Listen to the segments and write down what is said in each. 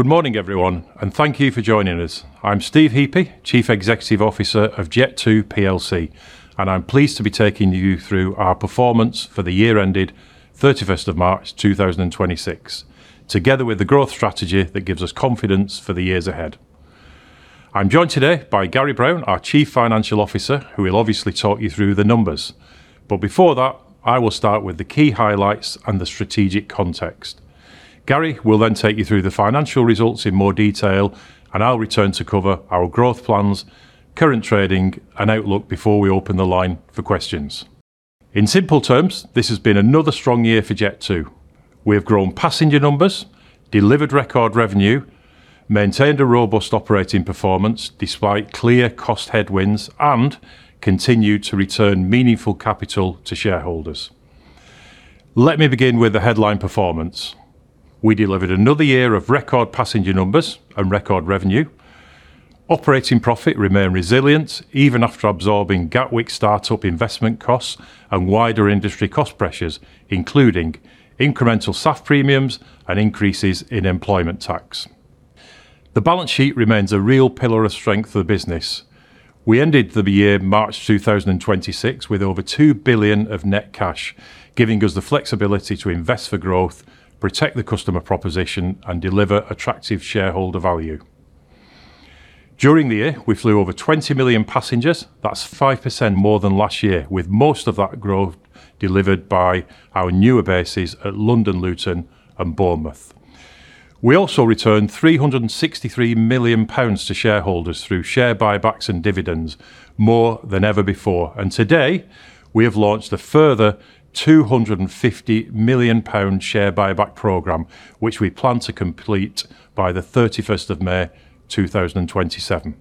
Good morning, everyone, and thank you for joining us. I'm Steve Heapy, Chief Executive Officer of Jet2 plc, and I'm pleased to be taking you through our performance for the year ended 31st of March 2026, together with the growth strategy that gives us confidence for the years ahead. I'm joined today by Gary Brown, our Chief Financial Officer, who will obviously talk you through the numbers. Before that, I will start with the key highlights and the strategic context. Gary will take you through the financial results in more detail, and I'll return to cover our growth plans, current trading, and outlook before we open the line for questions. In simple terms, this has been another strong year for Jet2. We have grown passenger numbers, delivered record revenue, maintained a robust operating performance despite clear cost headwinds, and continued to return meaningful capital to shareholders. Let me begin with the headline performance. We delivered another year of record passenger numbers and record revenue. Operating profit remained resilient even after absorbing Gatwick startup investment costs and wider industry cost pressures, including incremental staff premiums and increases in employment tax. The balance sheet remains a real pillar of strength for the business. We ended the year March 2026 with over 2 billion of net cash, giving us the flexibility to invest for growth, protect the customer proposition, and deliver attractive shareholder value. During the year, we flew over 20 million passengers. That's 5% more than last year, with most of that growth delivered by our newer bases at London Luton and Bournemouth. We also returned 363 million pounds to shareholders through share buybacks and dividends, more than ever before. Today, we have launched a further 250 million pound share buyback program, which we plan to complete by the 31st of May 2027.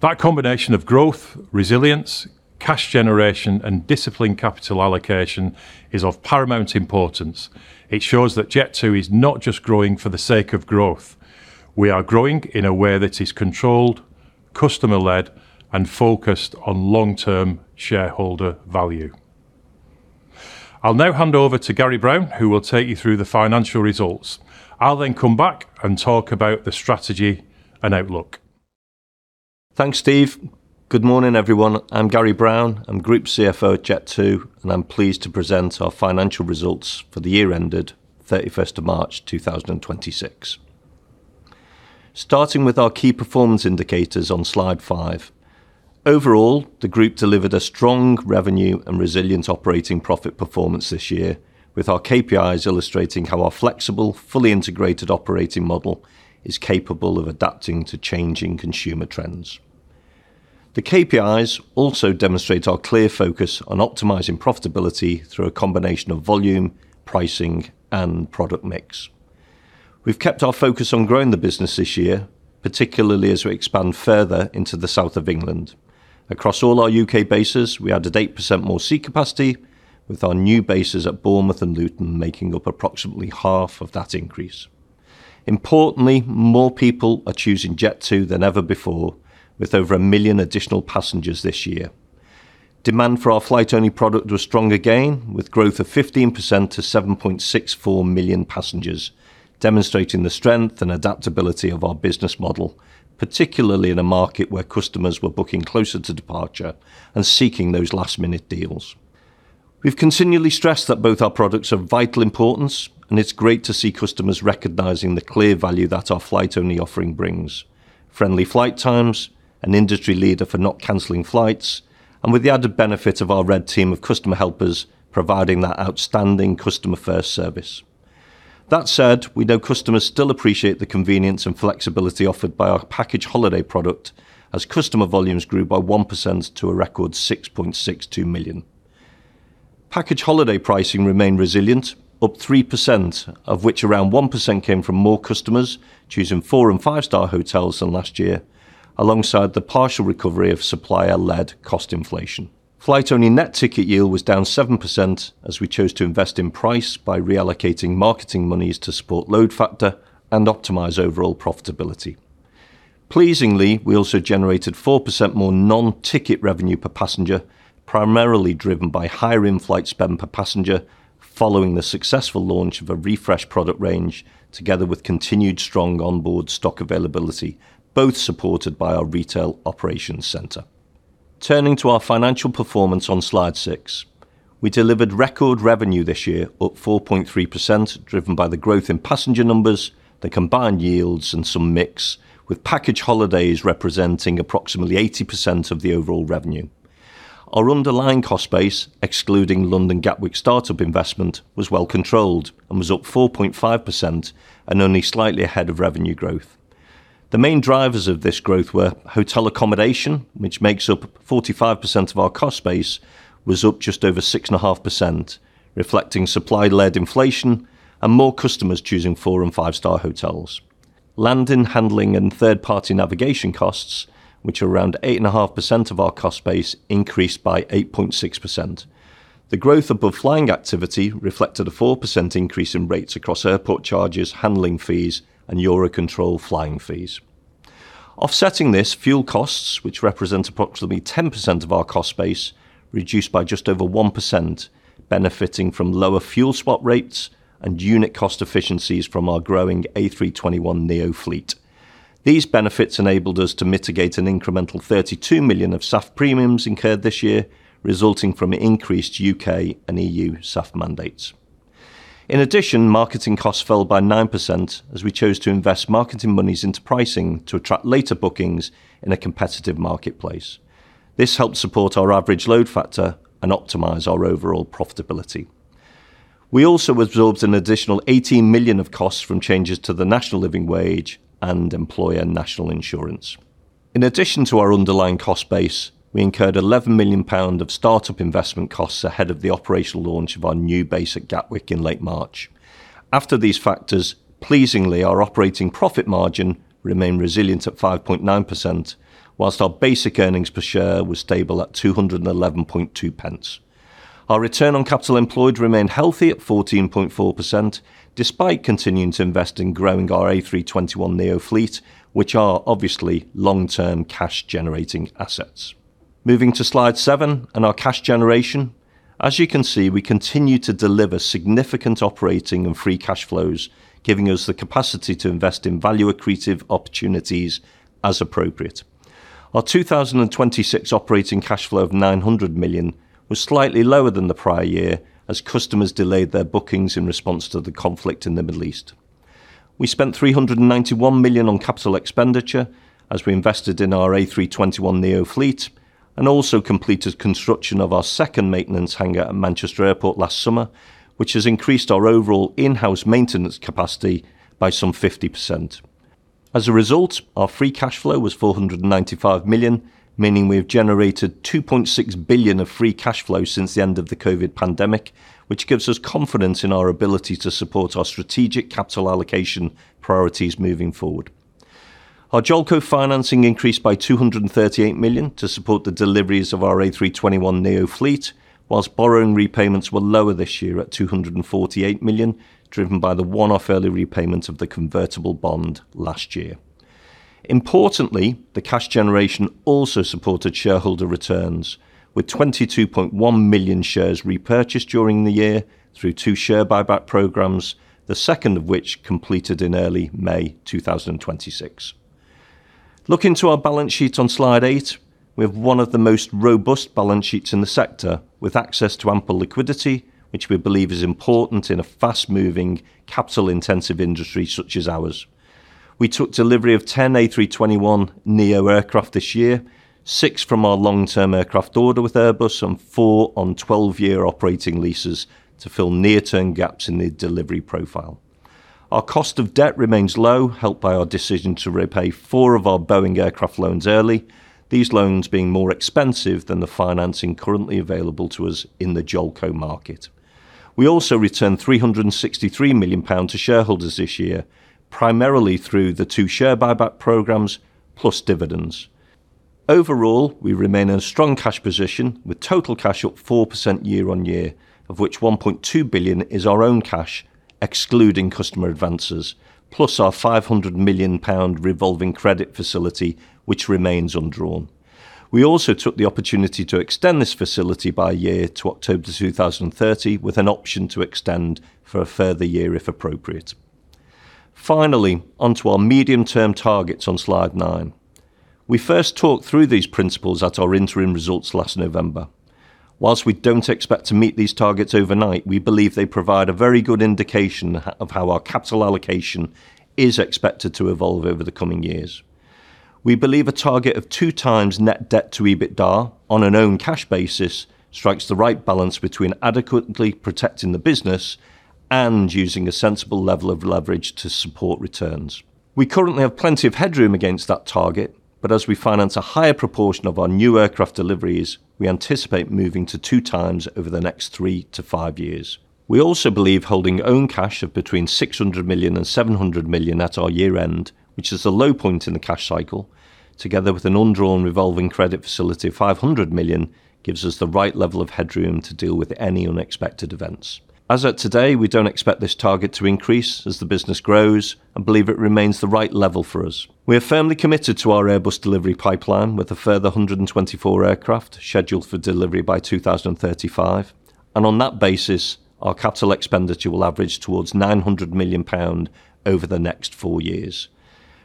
That combination of growth, resilience, cash generation, and disciplined capital allocation is of paramount importance. It shows that Jet2 is not just growing for the sake of growth. We are growing in a way that is controlled, customer-led, and focused on long-term shareholder value. I'll now hand over to Gary Brown, who will take you through the financial results. I'll come back and talk about the strategy and outlook. Thanks, Steve. Good morning, everyone. I'm Gary Brown. I'm Group CFO at Jet2, and I'm pleased to present our financial results for the year ended 31st of March 2026. Starting with our key performance indicators on slide five. Overall, the group delivered a strong revenue and resilient operating profit performance this year with our KPIs illustrating how our flexible, fully integrated operating model is capable of adapting to changing consumer trends. The KPIs also demonstrate our clear focus on optimizing profitability through a combination of volume, pricing, and product mix. We've kept our focus on growing the business this year, particularly as we expand further into the south of England. Across all our U.K. bases, we added 8% more seat capacity with our new bases at Bournemouth and Luton, making up approximately half of that increase. Importantly, more people are choosing Jet2 than ever before, with over 1 million additional passengers this year. Demand for our flight-only product was strong again, with growth of 15% to 7.64 million passengers, demonstrating the strength and adaptability of our business model, particularly in a market where customers were booking closer to departure and seeking those last-minute deals. We've continually stressed that both our products are of vital importance, and it's great to see customers recognizing the clear value that our flight-only offering brings. Friendly flight times, an industry leader for not canceling flights, and with the added benefit of our Red Team of customer helpers providing that outstanding customer-first service. That said, we know customers still appreciate the convenience and flexibility offered by our package holiday product as customer volumes grew by 1% to a record 6.62 million. Package holiday pricing remained resilient, up 3%, of which around 1% came from more customers choosing four and five-star hotels than last year, alongside the partial recovery of supplier-led cost inflation. Flight-only net ticket yield was down 7% as we chose to invest in price by reallocating marketing monies to support load factor and optimize overall profitability. Pleasingly, we also generated 4% more non-ticket revenue per passenger, primarily driven by higher in-flight spend per passenger following the successful launch of a refreshed product range together with continued strong onboard stock availability, both supported by our retail operations center. Turning to our financial performance on slide six. We delivered record revenue this year, up 4.3%, driven by the growth in passenger numbers, the combined yields, and some mix, with package holidays representing approximately 80% of the overall revenue. Our underlying cost base, excluding London Gatwick startup investment, was well controlled and was up 4.5% and only slightly ahead of revenue growth. The main drivers of this growth were hotel accommodation, which makes up 45% of our cost base, was up just over 6.5%, reflecting supply-led inflation and more customers choosing four and five-star hotels. Landing, handling, and third-party navigation costs, which are around 8.5% of our cost base, increased by 8.6%. The growth above flying activity reflected a 4% increase in rates across airport charges, handling fees, and Eurocontrol flying fees. Offsetting this, fuel costs, which represent approximately 10% of our cost base, reduced by just over 1%, benefiting from lower fuel spot rates and unit cost efficiencies from our growing A321neo fleet. These benefits enabled us to mitigate an incremental 32 million of SAF premiums incurred this year, resulting from increased U.K. and EU SAF mandates. In addition, marketing costs fell by 9% as we chose to invest marketing monies into pricing to attract later bookings in a competitive marketplace. This helped support our average load factor and optimize our overall profitability. We also absorbed an additional 18 million of costs from changes to the National Living Wage and employer national insurance. In addition to our underlying cost base, we incurred 11 million pounds of start-up investment costs ahead of the operational launch of our new base at Gatwick in late March. After these factors, pleasingly, our operating profit margin remained resilient at 5.9%, whilst our basic earnings per share were stable at 211.2. Our return on capital employed remained healthy at 14.4%, despite continuing to invest in growing our A321neo fleet, which are obviously long-term cash-generating assets. Moving to slide seven and our cash generation. As you can see, we continue to deliver significant operating and free cash flows, giving us the capacity to invest in value-accretive opportunities as appropriate. Our 2026 operating cash flow of 900 million was slightly lower than the prior year as customers delayed their bookings in response to the conflict in the Middle East. We spent 391 million on capital expenditure as we invested in our A321neo fleet and also completed construction of our second maintenance hangar at Manchester Airport last summer, which has increased our overall in-house maintenance capacity by some 50%. As a result, our free cash flow was 495 million, meaning we have generated 2.6 billion of free cash flow since the end of the COVID pandemic, which gives us confidence in our ability to support our strategic capital allocation priorities moving forward. Our Jolco financing increased by 238 million to support the deliveries of our A321neo fleet, whilst borrowing repayments were lower this year at 248 million, driven by the one-off early repayment of the convertible bond last year. Importantly, the cash generation also supported shareholder returns, with 22.1 million shares repurchased during the year through two share buyback programs, the second of which completed in early May 2026. Looking to our balance sheet on slide eight, we have one of the most robust balance sheets in the sector, with access to ample liquidity, which we believe is important in a fast-moving, capital-intensive industry such as ours. We took delivery of 10 A321neo aircraft this year, six from our long-term aircraft order with Airbus and four on 12-year operating leases to fill near-term gaps in the delivery profile. Our cost of debt remains low, helped by our decision to repay four of our Boeing aircraft loans early, these loans being more expensive than the financing currently available to us in the Jolco market. We also returned 363 million pounds to shareholders this year, primarily through the two share buyback programs plus dividends. Overall, we remain in a strong cash position with total cash up 4% year-over-year, of which 1.2 billion is our own cash, excluding customer advances, plus our 500 million pound revolving credit facility, which remains undrawn. We also took the opportunity to extend this facility by a year to October 2030, with an option to extend for a further year if appropriate. Finally, onto our medium-term targets on slide nine. We first talked through these principles at our interim results last November. Whilst we don't expect to meet these targets overnight, we believe they provide a very good indication of how our capital allocation is expected to evolve over the coming years. We believe a target of 2x net debt to EBITDA on an own cash basis strikes the right balance between adequately protecting the business and using a sensible level of leverage to support returns. We currently have plenty of headroom against that target, but as we finance a higher proportion of our new aircraft deliveries, we anticipate moving to 2x over the next three to five years. We also believe holding own cash of between 600 million and 700 million at our year end, which is the low point in the cash cycle, together with an undrawn revolving credit facility of 500 million, gives us the right level of headroom to deal with any unexpected events. As at today, we don't expect this target to increase as the business grows and believe it remains the right level for us. We are firmly committed to our Airbus delivery pipeline with a further 124 aircraft scheduled for delivery by 2035. On that basis, our capital expenditure will average towards 900 million pound over the next four years.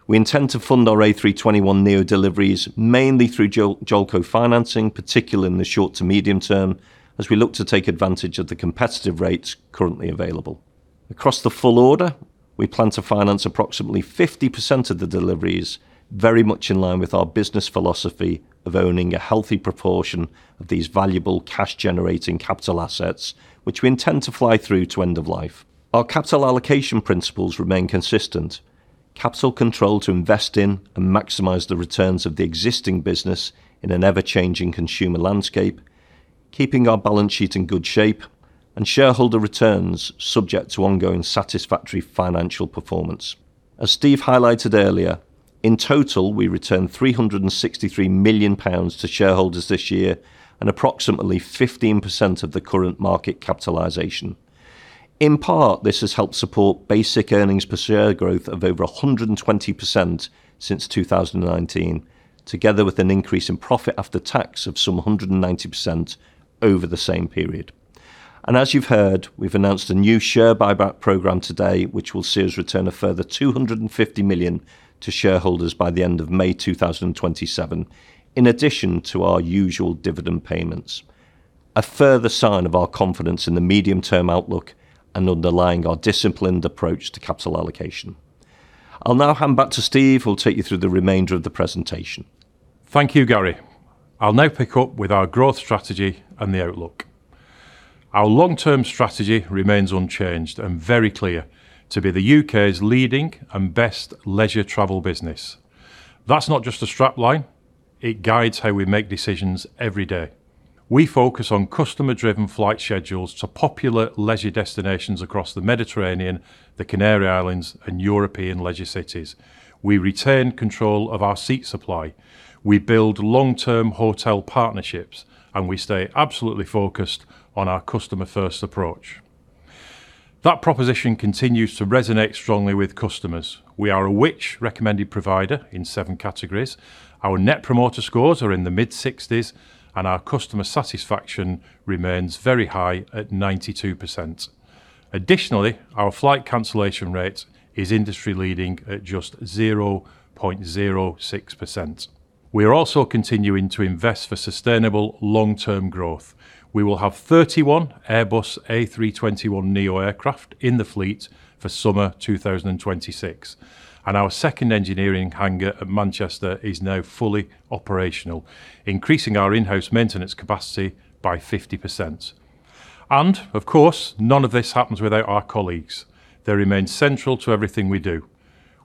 We intend to fund our A321neo deliveries mainly through Jolco financing, particularly in the short to medium-term, as we look to take advantage of the competitive rates currently available. Across the full order, we plan to finance approximately 50% of the deliveries very much in line with our business philosophy of owning a healthy proportion of these valuable cash-generating capital assets, which we intend to fly through to end of life. Our capital allocation principles remain consistent: capital control to invest in and maximize the returns of the existing business in an ever-changing consumer landscape, keeping our balance sheet in good shape, and shareholder returns subject to ongoing satisfactory financial performance. As Steve highlighted earlier, in total, we returned 363 million pounds to shareholders this year and approximately 15% of the current market capitalization. In part, this has helped support basic EPS growth of over 120% since 2019. Together with an increase in profit after tax of some 190% over the same period. As you've heard, we've announced a new share buyback program today, which will see us return a further 250 million to shareholders by the end of May 2027, in addition to our usual dividend payments. A further sign of our confidence in the medium-term outlook and underlying our disciplined approach to capital allocation. I'll now hand back to Steve, who will take you through the remainder of the presentation. Thank you, Gary. I'll now pick up with our growth strategy and the outlook. Our long-term strategy remains unchanged and very clear: to be the U.K.'s leading and best leisure travel business. That's not just a strap line, it guides how we make decisions every day. We focus on customer-driven flight schedules to popular leisure destinations across the Mediterranean, the Canary Islands, and European leisure cities. We retain control of our seat supply, we build long-term hotel partnerships, and we stay absolutely focused on our customer-first approach. That proposition continues to resonate strongly with customers. We are a Which? recommended provider in seven categories. Our Net Promoter Scores are in the mid-60%, and our customer satisfaction remains very high at 92%. Additionally, our flight cancellation rate is industry-leading at just 0.06%. We are also continuing to invest for sustainable long-term growth. We will have 31 Airbus A321neo aircraft in the fleet for summer 2026. Our second engineering hangar at Manchester is now fully operational, increasing our in-house maintenance capacity by 50%. Of course, none of this happens without our colleagues. They remain central to everything we do.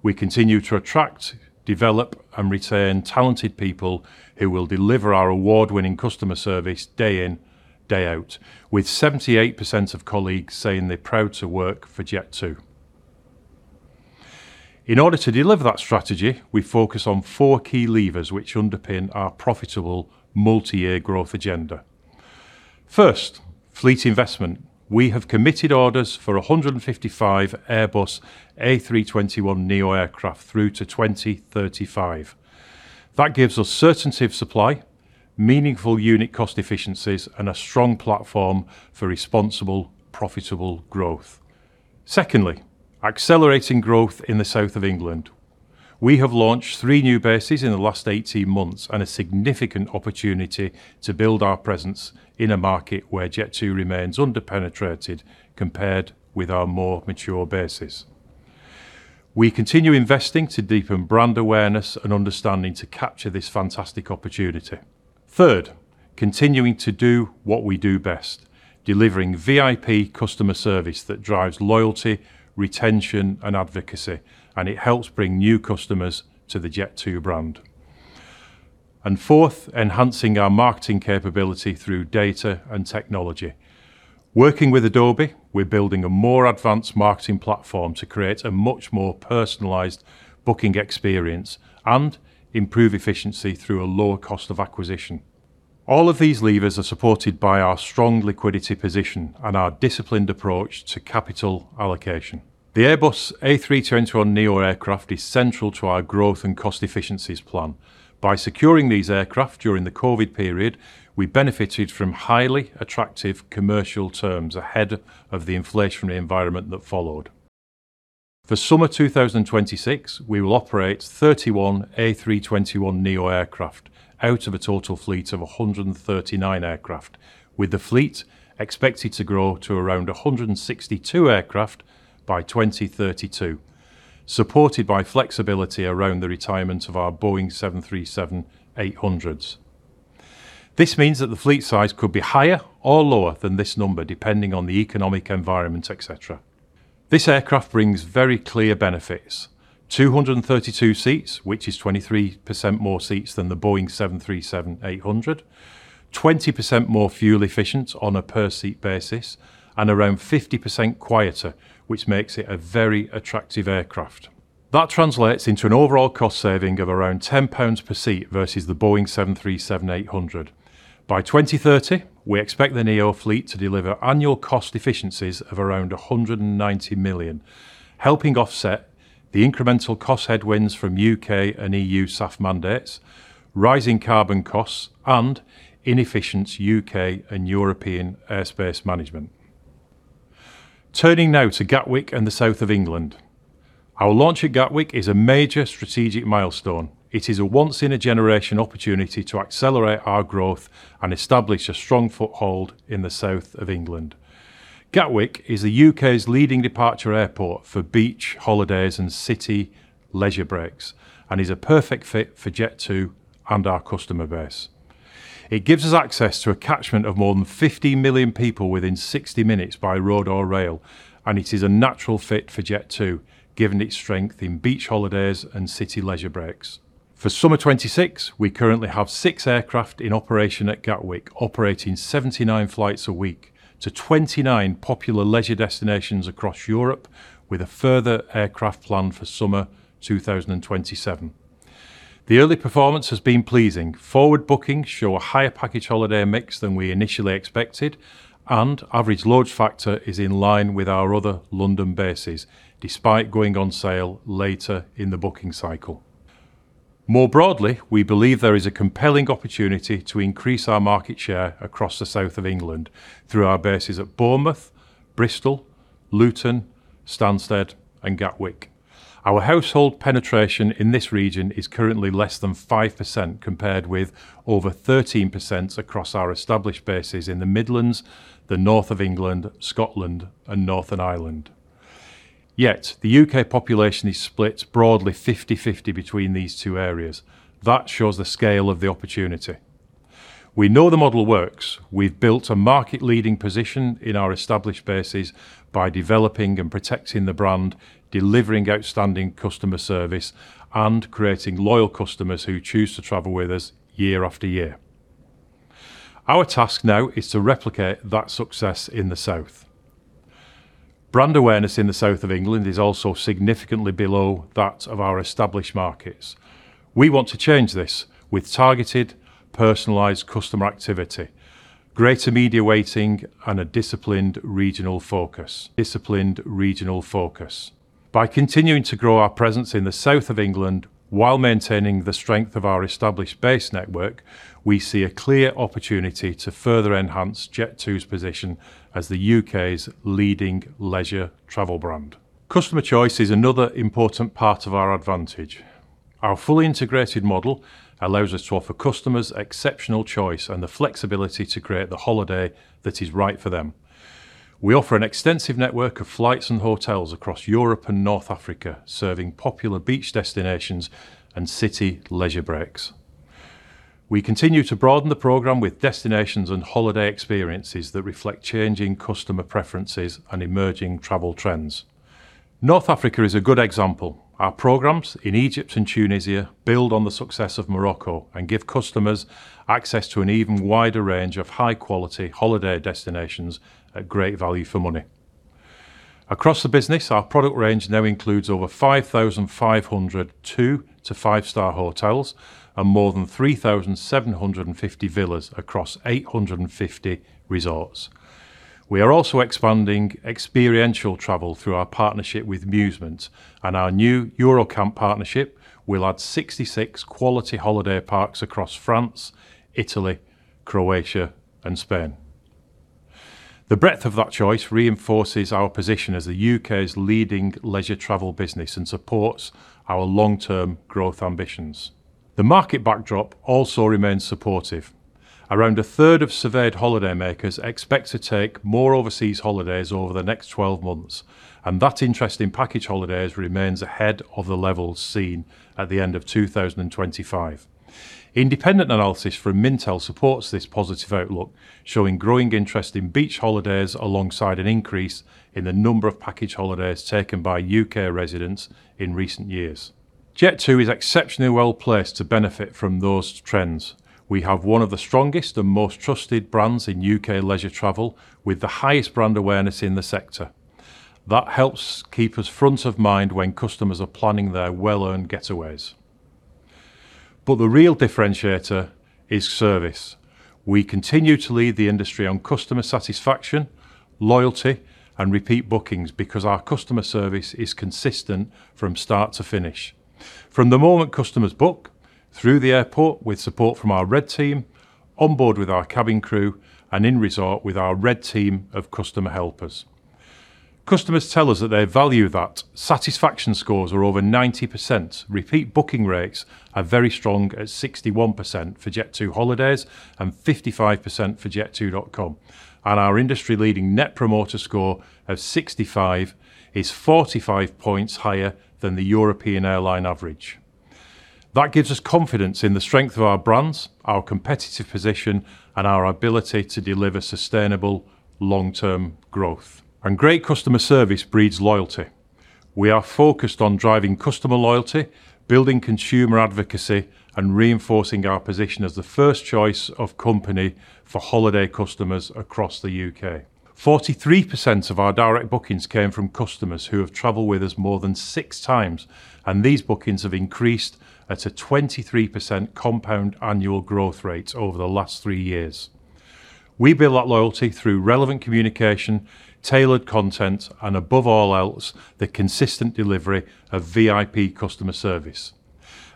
We continue to attract, develop, and retain talented people who will deliver our award-winning customer service day in, day out, with 78% of colleagues saying they are proud to work for Jet2. In order to deliver that strategy, we focus on four key levers which underpin our profitable multi-year growth agenda. First, fleet investment. We have committed orders for 155 Airbus A321neo aircraft through to 2035. That gives us certainty of supply, meaningful unit cost efficiencies, and a strong platform for responsible, profitable growth. Secondly, accelerating growth in the south of England. We have launched three new bases in the last 18 months and a significant opportunity to build our presence in a market where Jet2 remains under-penetrated compared with our more mature bases. We continue investing to deepen brand awareness and understanding to capture this fantastic opportunity. Third, continuing to do what we do best, delivering VIP customer service that drives loyalty, retention, and advocacy, and it helps bring new customers to the Jet2 brand. Fourth, enhancing our marketing capability through data and technology. Working with Adobe, we are building a more advanced marketing platform to create a much more personalized booking experience and improve efficiency through a lower cost of acquisition. All of these levers are supported by our strong liquidity position and our disciplined approach to capital allocation. The Airbus A321neo aircraft is central to our growth and cost efficiencies plan. By securing these aircraft during the COVID period, we benefited from highly attractive commercial terms ahead of the inflationary environment that followed. For summer 2026, we will operate 31 A321neo aircraft out of a total fleet of 139 aircraft, with the fleet expected to grow to around 162 aircraft by 2032, supported by flexibility around the retirement of our Boeing 737-800s. This means that the fleet size could be higher or lower than this number, depending on the economic environment, et cetera. This aircraft brings very clear benefits. 232 seats, which is 23% more seats than the Boeing 737-800, 20% more fuel efficient on a per seat basis, and around 50% quieter, which makes it a very attractive aircraft. That translates into an overall cost saving of around 10 pounds per seat versus the Boeing 737-800. By 2030, we expect the neo fleet to deliver annual cost efficiencies of around 190 million, helping offset the incremental cost headwinds from U.K. and EU SAF mandates, rising carbon costs, and inefficient U.K. and European airspace management. Turning now to Gatwick and the south of England. Our launch at Gatwick is a major strategic milestone. It is a once-in-a-generation opportunity to accelerate our growth and establish a strong foothold in the south of England. Gatwick is the U.K.'s leading departure airport for beach holidays and city leisure breaks, and is a perfect fit for Jet2 and our customer base. It gives us access to a catchment of more than 50 million people within 60 minutes by road or rail, and it is a natural fit for Jet2, given its strength in beach holidays and city leisure breaks. For summer 2026, we currently have six aircraft in operation at Gatwick, operating 79 flights a week to 29 popular leisure destinations across Europe, with a further aircraft planned for summer 2027. The early performance has been pleasing. Forward bookings show a higher package holiday mix than we initially expected, and average load factor is in line with our other London bases, despite going on sale later in the booking cycle. More broadly, we believe there is a compelling opportunity to increase our market share across the south of England through our bases at Bournemouth, Bristol, Luton, Stansted, and Gatwick. Our household penetration in this region is currently less than 5%, compared with over 13% across our established bases in the Midlands, the north of England, Scotland, and Northern Ireland. The U.K. population is split broadly 50/50 between these two areas. That shows the scale of the opportunity. We know the model works. We've built a market-leading position in our established bases by developing and protecting the brand, delivering outstanding customer service, and creating loyal customers who choose to travel with us year after year. Our task now is to replicate that success in the south. Brand awareness in the south of England is also significantly below that of our established markets. We want to change this with targeted, personalized customer activity, greater media weighting, and a disciplined regional focus. Disciplined regional focus. By continuing to grow our presence in the south of England while maintaining the strength of our established base network, we see a clear opportunity to further enhance Jet2's position as the U.K.'s leading leisure travel brand. Customer choice is another important part of our advantage. Our fully integrated model allows us to offer customers exceptional choice and the flexibility to create the holiday that is right for them. We offer an extensive network of flights and hotels across Europe and North Africa, serving popular beach destinations and city leisure breaks. We continue to broaden the program with destinations and holiday experiences that reflect changing customer preferences and emerging travel trends. North Africa is a good example. Our programs in Egypt and Tunisia build on the success of Morocco and give customers access to an even wider range of high-quality holiday destinations at great value for money. Across the business, our product range now includes over 5,500 two to five-star hotels and more than 3,750 villas across 850 resorts. We are also expanding experiential travel through our partnership with Musement, and our new Eurocamp partnership will add 66 quality holiday parks across France, Italy, Croatia, and Spain. The breadth of that choice reinforces our position as the U.K.'s leading leisure travel business and supports our long-term growth ambitions. The market backdrop also remains supportive. Around a third of surveyed holidaymakers expect to take more overseas holidays over the next 12 months, that interest in package holidays remains ahead of the levels seen at the end of 2025. Independent analysis from Mintel supports this positive outlook, showing growing interest in beach holidays alongside an increase in the number of package holidays taken by U.K. residents in recent years. Jet2 is exceptionally well-placed to benefit from those trends. We have one of the strongest and most trusted brands in U.K. leisure travel, with the highest brand awareness in the sector. That helps keep us front of mind when customers are planning their well-earned getaways. The real differentiator is service. We continue to lead the industry on customer satisfaction, loyalty, and repeat bookings because our customer service is consistent from start to finish. From the moment customers book, through the airport with support from our Red Team, on board with our cabin crew, and in resort with our Red Team of customer helpers. Customers tell us that they value that. Satisfaction scores are over 90%. Repeat booking rates are very strong at 61% for Jet2holidays and 55% for Jet2.com. Our industry-leading Net Promoter Score of 65% is 45 points higher than the European airline average. That gives us confidence in the strength of our brands, our competitive position, and our ability to deliver sustainable long-term growth. Great customer service breeds loyalty. We are focused on driving customer loyalty, building consumer advocacy, and reinforcing our position as the first choice of company for holiday customers across the U.K. 43% of our direct bookings came from customers who have traveled with us more than six times, and these bookings have increased at a 23% compound annual growth rate over the last three years. We build that loyalty through relevant communication, tailored content, and above all else, the consistent delivery of VIP customer service.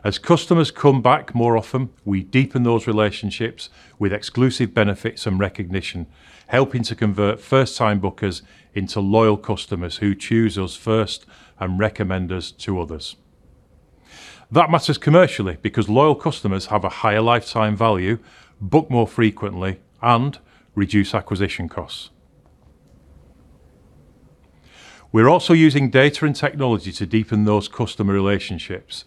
As customers come back more often, we deepen those relationships with exclusive benefits and recognition, helping to convert first-time bookers into loyal customers who choose us first and recommend us to others. That matters commercially because loyal customers have a higher lifetime value, book more frequently, and reduce acquisition costs. We're also using data and technology to deepen those customer relationships.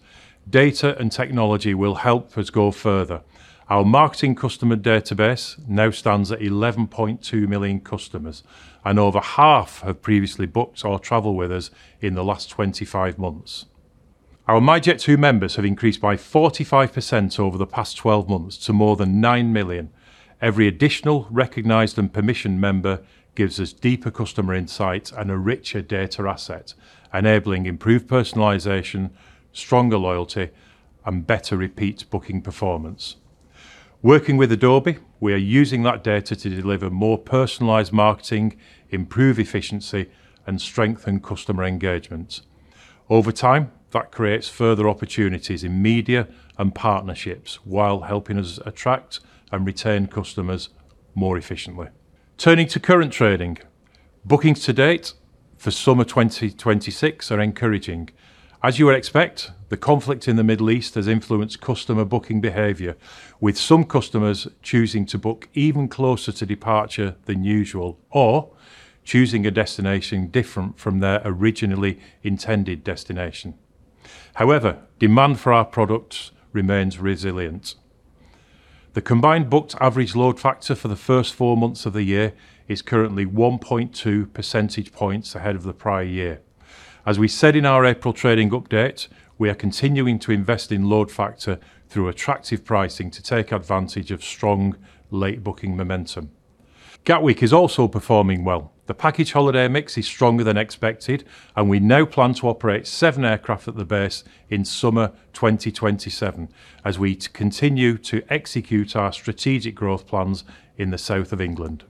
Data and technology will help us go further. Our marketing customer database now stands at 11.2 million customers, and over half have previously booked or traveled with us in the last 25 months. Our myJet2 members have increased by 45% over the past 12 months to more than 9 million. Every additional recognized and permissioned member gives us deeper customer insights and a richer data asset, enabling improved personalization, stronger loyalty, and better repeat booking performance. Working with Adobe, we are using that data to deliver more personalized marketing, improve efficiency, and strengthen customer engagement. Over time, that creates further opportunities in media and partnerships while helping us attract and retain customers more efficiently. Turning to current trading. Bookings to date for summer 2026 are encouraging. As you would expect, the conflict in the Middle East has influenced customer booking behavior, with some customers choosing to book even closer to departure than usual or choosing a destination different from their originally intended destination. However, demand for our products remains resilient. The combined booked average load factor for the first four months of the year is currently 1.2 percentage points ahead of the prior year. As we said in our April trading update, we are continuing to invest in load factor through attractive pricing to take advantage of strong late booking momentum. Gatwick is also performing well. The package holiday mix is stronger than expected, and we now plan to operate seven aircraft at the base in summer 2027 as we continue to execute our strategic growth plans in the south of England.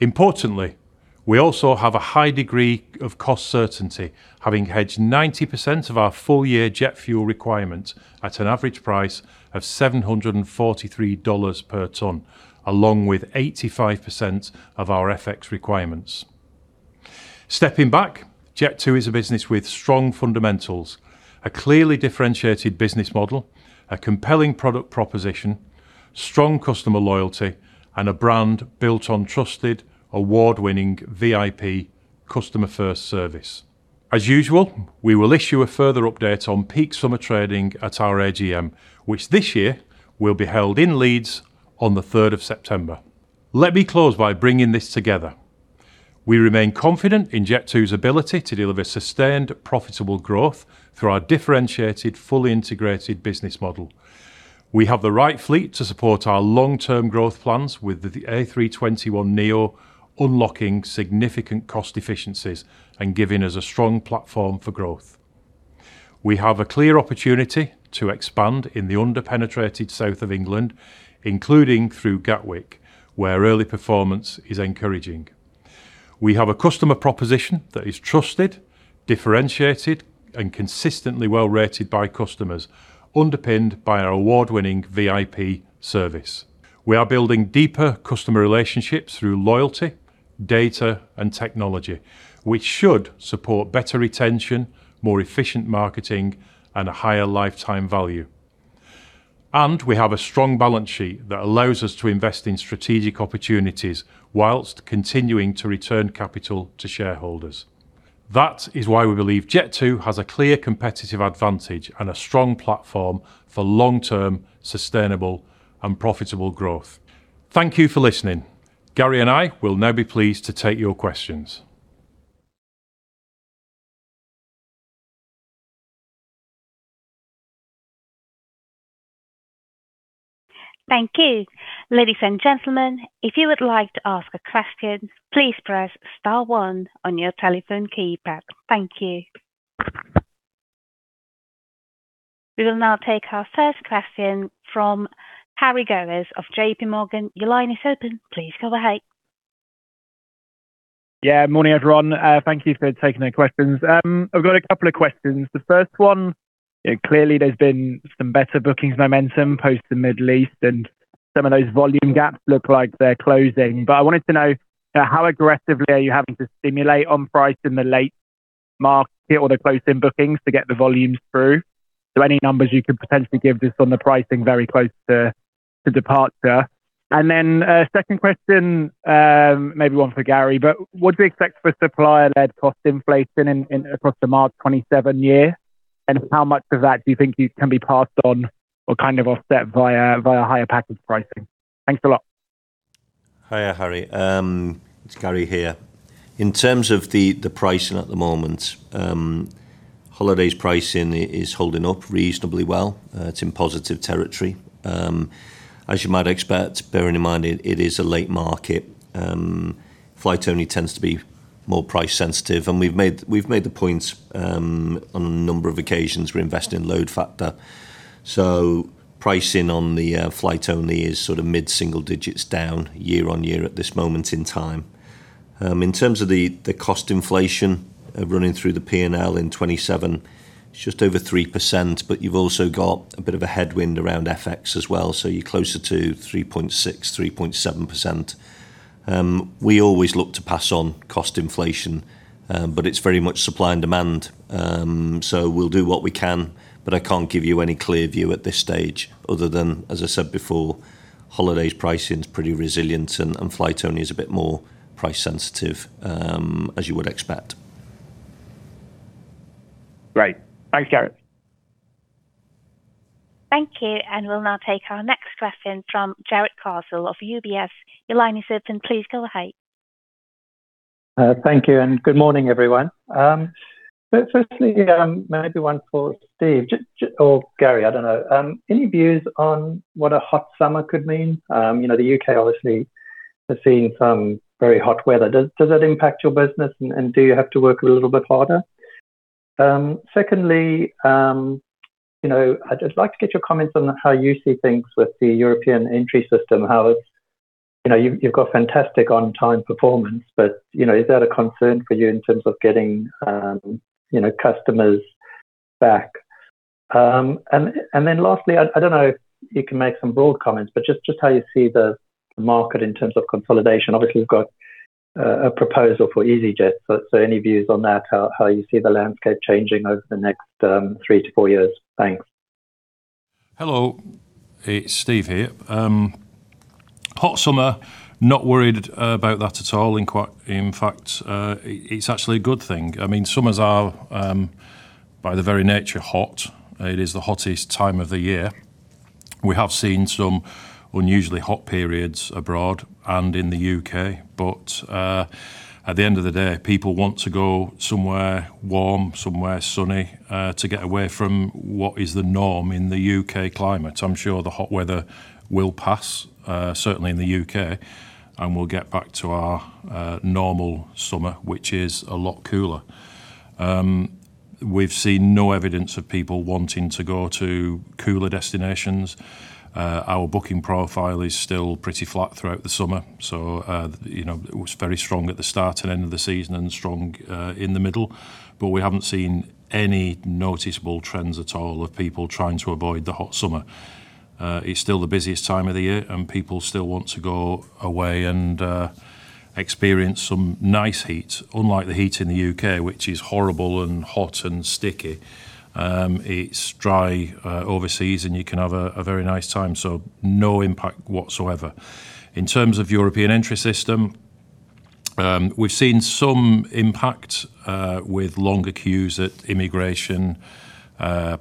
Importantly, we also have a high degree of cost certainty, having hedged 90% of our full year jet fuel requirements at an average price of $743 per ton, along with 85% of our FX requirements. Stepping back, Jet2 is a business with strong fundamentals, a clearly differentiated business model, a compelling product proposition, strong customer loyalty, and a brand built on trusted, award-winning VIP customer-first service. As usual, we will issue a further update on peak summer trading at our AGM, which this year will be held in Leeds on the 3rd of September. Let me close by bringing this together. We remain confident in Jet2's ability to deliver sustained profitable growth through our differentiated, fully integrated business model. We have the right fleet to support our long-term growth plans with the A321neo unlocking significant cost efficiencies and giving us a strong platform for growth. We have a clear opportunity to expand in the under-penetrated south of England, including through Gatwick, where early performance is encouraging. We have a customer proposition that is trusted, differentiated, and consistently well-rated by customers, underpinned by our award-winning VIP service. We are building deeper customer relationships through loyalty, data, and technology, which should support better retention, more efficient marketing, and a higher lifetime value. We have a strong balance sheet that allows us to invest in strategic opportunities whilst continuing to return capital to shareholders. That is why we believe Jet2 has a clear competitive advantage and a strong platform for long-term, sustainable, and profitable growth. Thank you for listening. Gary and I will now be pleased to take your questions. Thank you. Ladies and gentlemen, if you would like to ask a question, please press star one on your telephone keypad. Thank you. We will now take our first question from Harry Gowers of JPMorgan. Your line is open. Please go ahead. Morning, everyone. Thank you for taking the questions. I've got a couple of questions. The first one, clearly there's been some better bookings momentum post the Middle East, and some of those volume gaps look like they're closing. I wanted to know, how aggressively are you having to stimulate on price in the late market or the close in bookings to get the volumes through? Any numbers you could potentially give just on the pricing very close to departure. Second question, maybe one for Gary, but what do we expect for supplier-led cost inflation across the March 2027 year? How much of that do you think can be passed on or offset via higher package pricing? Thanks a lot. Hiya, Harry. It's Gary here. In terms of the pricing at the moment, holidays pricing is holding up reasonably well. It's in positive territory. As you might expect, bearing in mind it is a late market, flight only tends to be more price sensitive, and we've made the point on a number of occasions, we're investing in load factor. Pricing on the flight only is mid-single digits down year-over-year at this moment in time. In terms of the cost inflation running through the P&L in 2027, it's just over 3%, but you've also got a bit of a headwind around FX as well, so you're closer to 3.6%, 3.7%. We always look to pass on cost inflation, but it's very much supply and demand. We'll do what we can, but I can't give you any clear view at this stage other than, as I said before, holidays pricing is pretty resilient, and flight only is a bit more price sensitive, as you would expect. Great. Thanks, Gary. Thank you. We'll now take our next question from Jarrod Castle of UBS. Your line is open. Please go ahead. Thank you and good morning, everyone. Firstly, maybe one for Steve or Gary, I don't know. Any views on what a hot summer could mean? The U.K. obviously has seen some very hot weather. Does that impact your business, and do you have to work a little bit harder? Secondly, I'd like to get your comments on how you see things with the European entry system. You've got fantastic on-time performance. Is that a concern for you in terms of getting customers back? Lastly, I don't know if you can make some broad comments, just how you see the market in terms of consolidation. Obviously, you've got a proposal for easyJet, any views on that, how you see the landscape changing over the next three to four years? Thanks. Hello, it's Steve here. Hot summer, not worried about that at all. In fact, it's actually a good thing. Summers are, by their very nature, hot. It is the hottest time of the year. We have seen some unusually hot periods abroad and in the U.K. At the end of the day, people want to go somewhere warm, somewhere sunny, to get away from what is the norm in the U.K. climate. I'm sure the hot weather will pass, certainly in the U.K., and we'll get back to our normal summer, which is a lot cooler. We've seen no evidence of people wanting to go to cooler destinations. Our booking profile is still pretty flat throughout the summer. It was very strong at the start and end of the season and strong in the middle. We haven't seen any noticeable trends at all of people trying to avoid the hot summer. It's still the busiest time of the year, and people still want to go away and experience some nice heat. Unlike the heat in the U.K., which is horrible and hot and sticky, it's dry overseas, and you can have a very nice time. No impact whatsoever. In terms of European entry system, we've seen some impact with longer queues at immigration,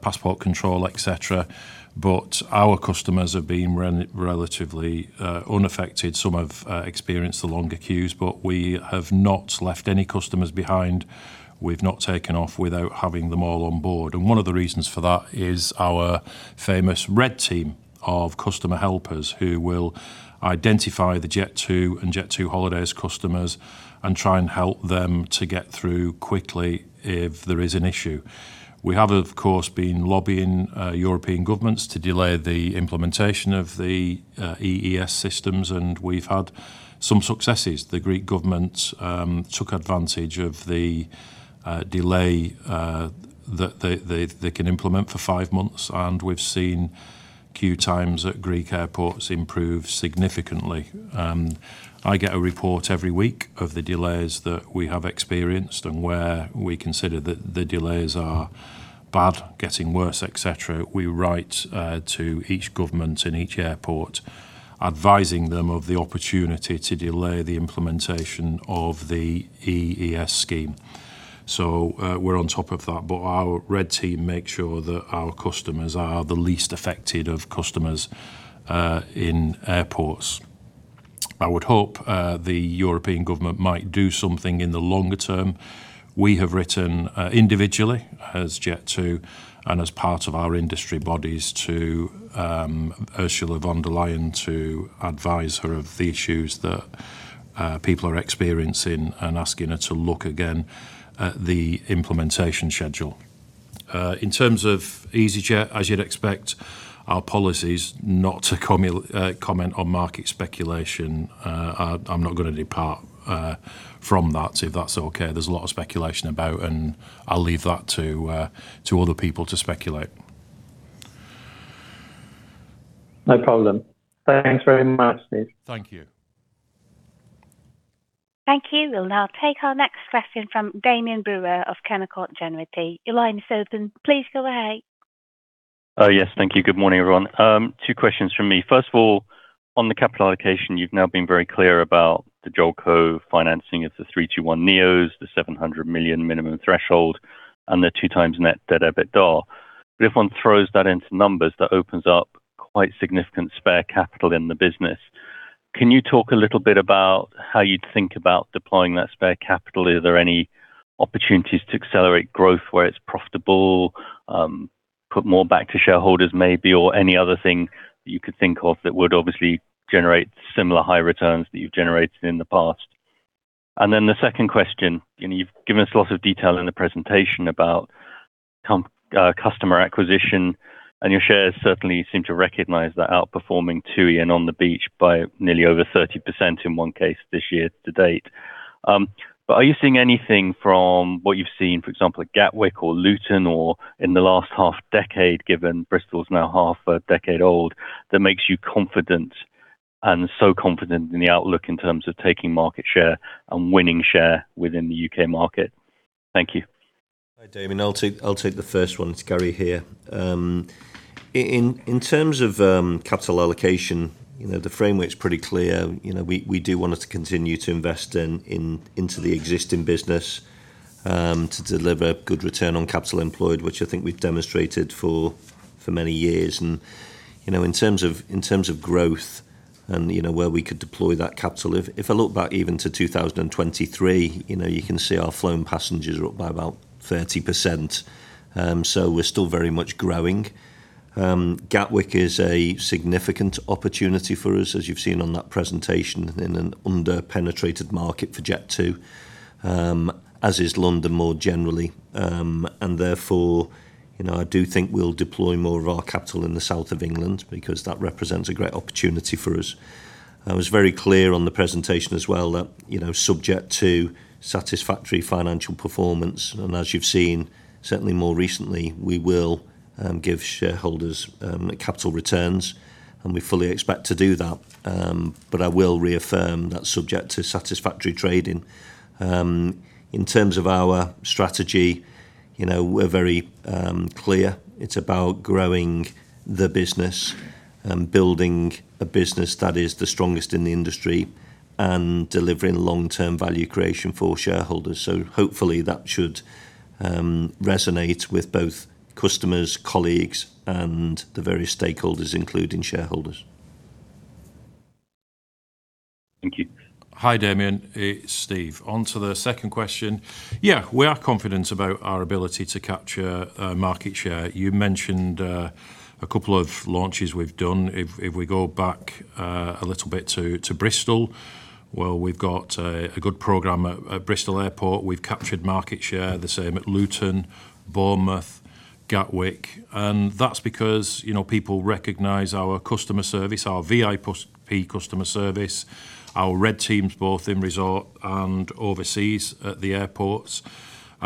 passport control, et cetera. Our customers have been relatively unaffected. Some have experienced the longer queues. We have not left any customers behind. We've not taken off without having them all on board. One of the reasons for that is our famous Red Team of customer helpers who will identify the Jet2 and Jet2holidays customers and try and help them to get through quickly if there is an issue. We have, of course, been lobbying European governments to delay the implementation of the EES systems, and we've had some successes. The Greek government took advantage of the delay that they can implement for five months, and we've seen queue times at Greek airports improve significantly. I get a report every week of the delays that we have experienced and where we consider that the delays are bad, getting worse, etc. We write to each government in each airport advising them of the opportunity to delay the implementation of the EES scheme. Our Red Team makes sure that our customers are the least affected of customers in airports. I would hope the European government might do something in the longer term. We have written individually as Jet2 and as part of our industry bodies to Ursula von der Leyen to advise her of the issues that people are experiencing and asking her to look again at the implementation schedule. In terms of easyJet, as you'd expect, our policy is not to comment on market speculation. I'm not going to depart from that, if that's okay. There's a lot of speculation about, and I'll leave that to other people to speculate. No problem. Thanks very much, Steve. Thank you. Thank you. We'll now take our next question from Damian Brewer of Canaccord Genuity. Your line is open. Please go ahead. Yes, thank you. Good morning, everyone. Two questions from me. First of all, on the capital allocation, you've now been very clear about the Jolco financing of the A321neos, the 700 million minimum threshold, and the 2x net debt EBITDA. If one throws that into numbers, that opens up quite significant spare capital in the business. Can you talk a little bit about how you'd think about deploying that spare capital? Are there any opportunities to accelerate growth where it's profitable, put more back to shareholders maybe, or any other thing you could think of that would obviously generate similar high returns that you've generated in the past? The second question, you've given us a lot of detail in the presentation about customer acquisition, and your shares certainly seem to recognize that outperforming TUI and On the Beach by nearly over 30% in one case this year to date. Are you seeing anything from what you've seen, for example, at Gatwick or Luton or in the last half-decade, given Bristol is now half a decade old, that makes you confident and so confident in the outlook in terms of taking market share and winning share within the U.K. market? Thank you. Hi, Damian. I'll take the first one. It's Gary here. In terms of capital allocation, the framework's pretty clear. We do want to continue to invest into the existing business to deliver good return on capital employed, which I think we've demonstrated for many years. In terms of growth and where we could deploy that capital, if I look back even to 2023, you can see our flown passengers are up by about 30%. We're still very much growing. Gatwick is a significant opportunity for us, as you've seen on that presentation, in an under-penetrated market for Jet2, as is London more generally. Therefore, I do think we'll deploy more of our capital in the south of England, because that represents a great opportunity for us. I was very clear on the presentation as well that, subject to satisfactory financial performance, and as you've seen certainly more recently, we will give shareholders capital returns, and we fully expect to do that, but I will reaffirm that's subject to satisfactory trading. In terms of our strategy, we're very clear. It's about growing the business, building a business that is the strongest in the industry, and delivering long-term value creation for shareholders. Hopefully that should resonate with both customers, colleagues, and the various stakeholders, including shareholders. Thank you. Hi, Damian. It's Steve. On to the second question. We are confident about our ability to capture market share. You mentioned a couple of launches we've done. If we go back a little bit to Bristol, well, we've got a good program at Bristol Airport. We've captured market share. The same at Luton, Bournemouth, Gatwick. That's because people recognize our customer service, our VIP customer service, our Red Teams, both in resort and overseas at the airports.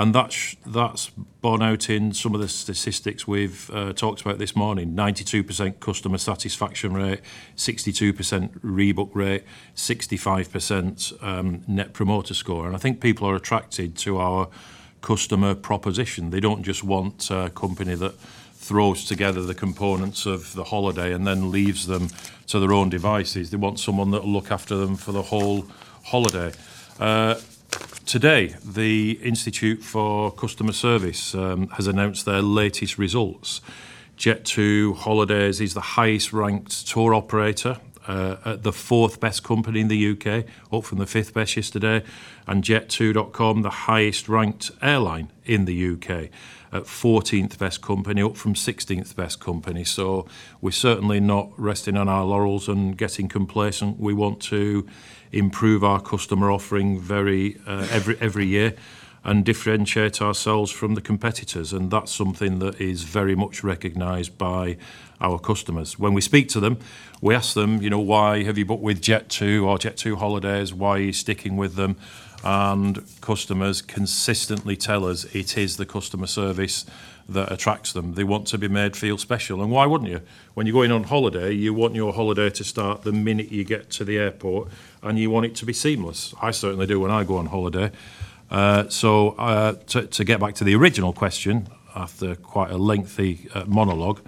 That's borne out in some of the statistics we've talked about this morning, 92% customer satisfaction rate, 62% rebook rate, 65% Net Promoter Score. I think people are attracted to our customer proposition. They don't just want a company that throws together the components of the holiday and then leaves them to their own devices. They want someone that will look after them for the whole holiday. Today, the Institute of Customer Service has announced their latest results. Jet2holidays is the highest-ranked tour operator, the fourth-best company in the U.K., up from the fifth-best yesterday, and Jet2.com the highest-ranked airline in the U.K., 14th best company, up from 16th best company. We're certainly not resting on our laurels and getting complacent. We want to improve our customer offering every year and differentiate ourselves from the competitors, and that's something that is very much recognized by our customers. When we speak to them, we ask them, "Why have you booked with Jet2 or Jet2holidays? Why are you sticking with them?" Customers consistently tell us it is the customer service that attracts them. They want to be made to feel special. And why wouldn't you? When you're going on holiday, you want your holiday to start the minute you get to the airport, and you want it to be seamless. I certainly do when I go on holiday. To get back to the original question, after quite a lengthy monologue,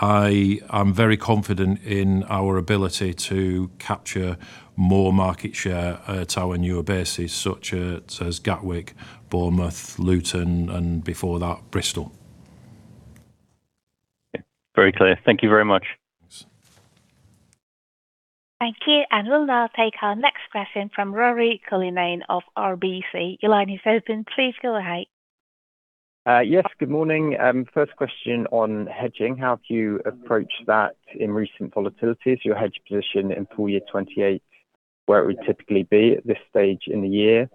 I am very confident in our ability to capture more market share at our newer bases such as Gatwick, Bournemouth, Luton, and before that, Bristol. Very clear. Thank you very much. Thanks. Thank you. We'll now take our next question from Ruairi Cullinane of RBC. Your line is open. Please go ahead. Yes, good morning. First question on hedging. How do you approach that in recent volatilities? Is your hedge position in full year 2028 where it would typically be at this stage in the year?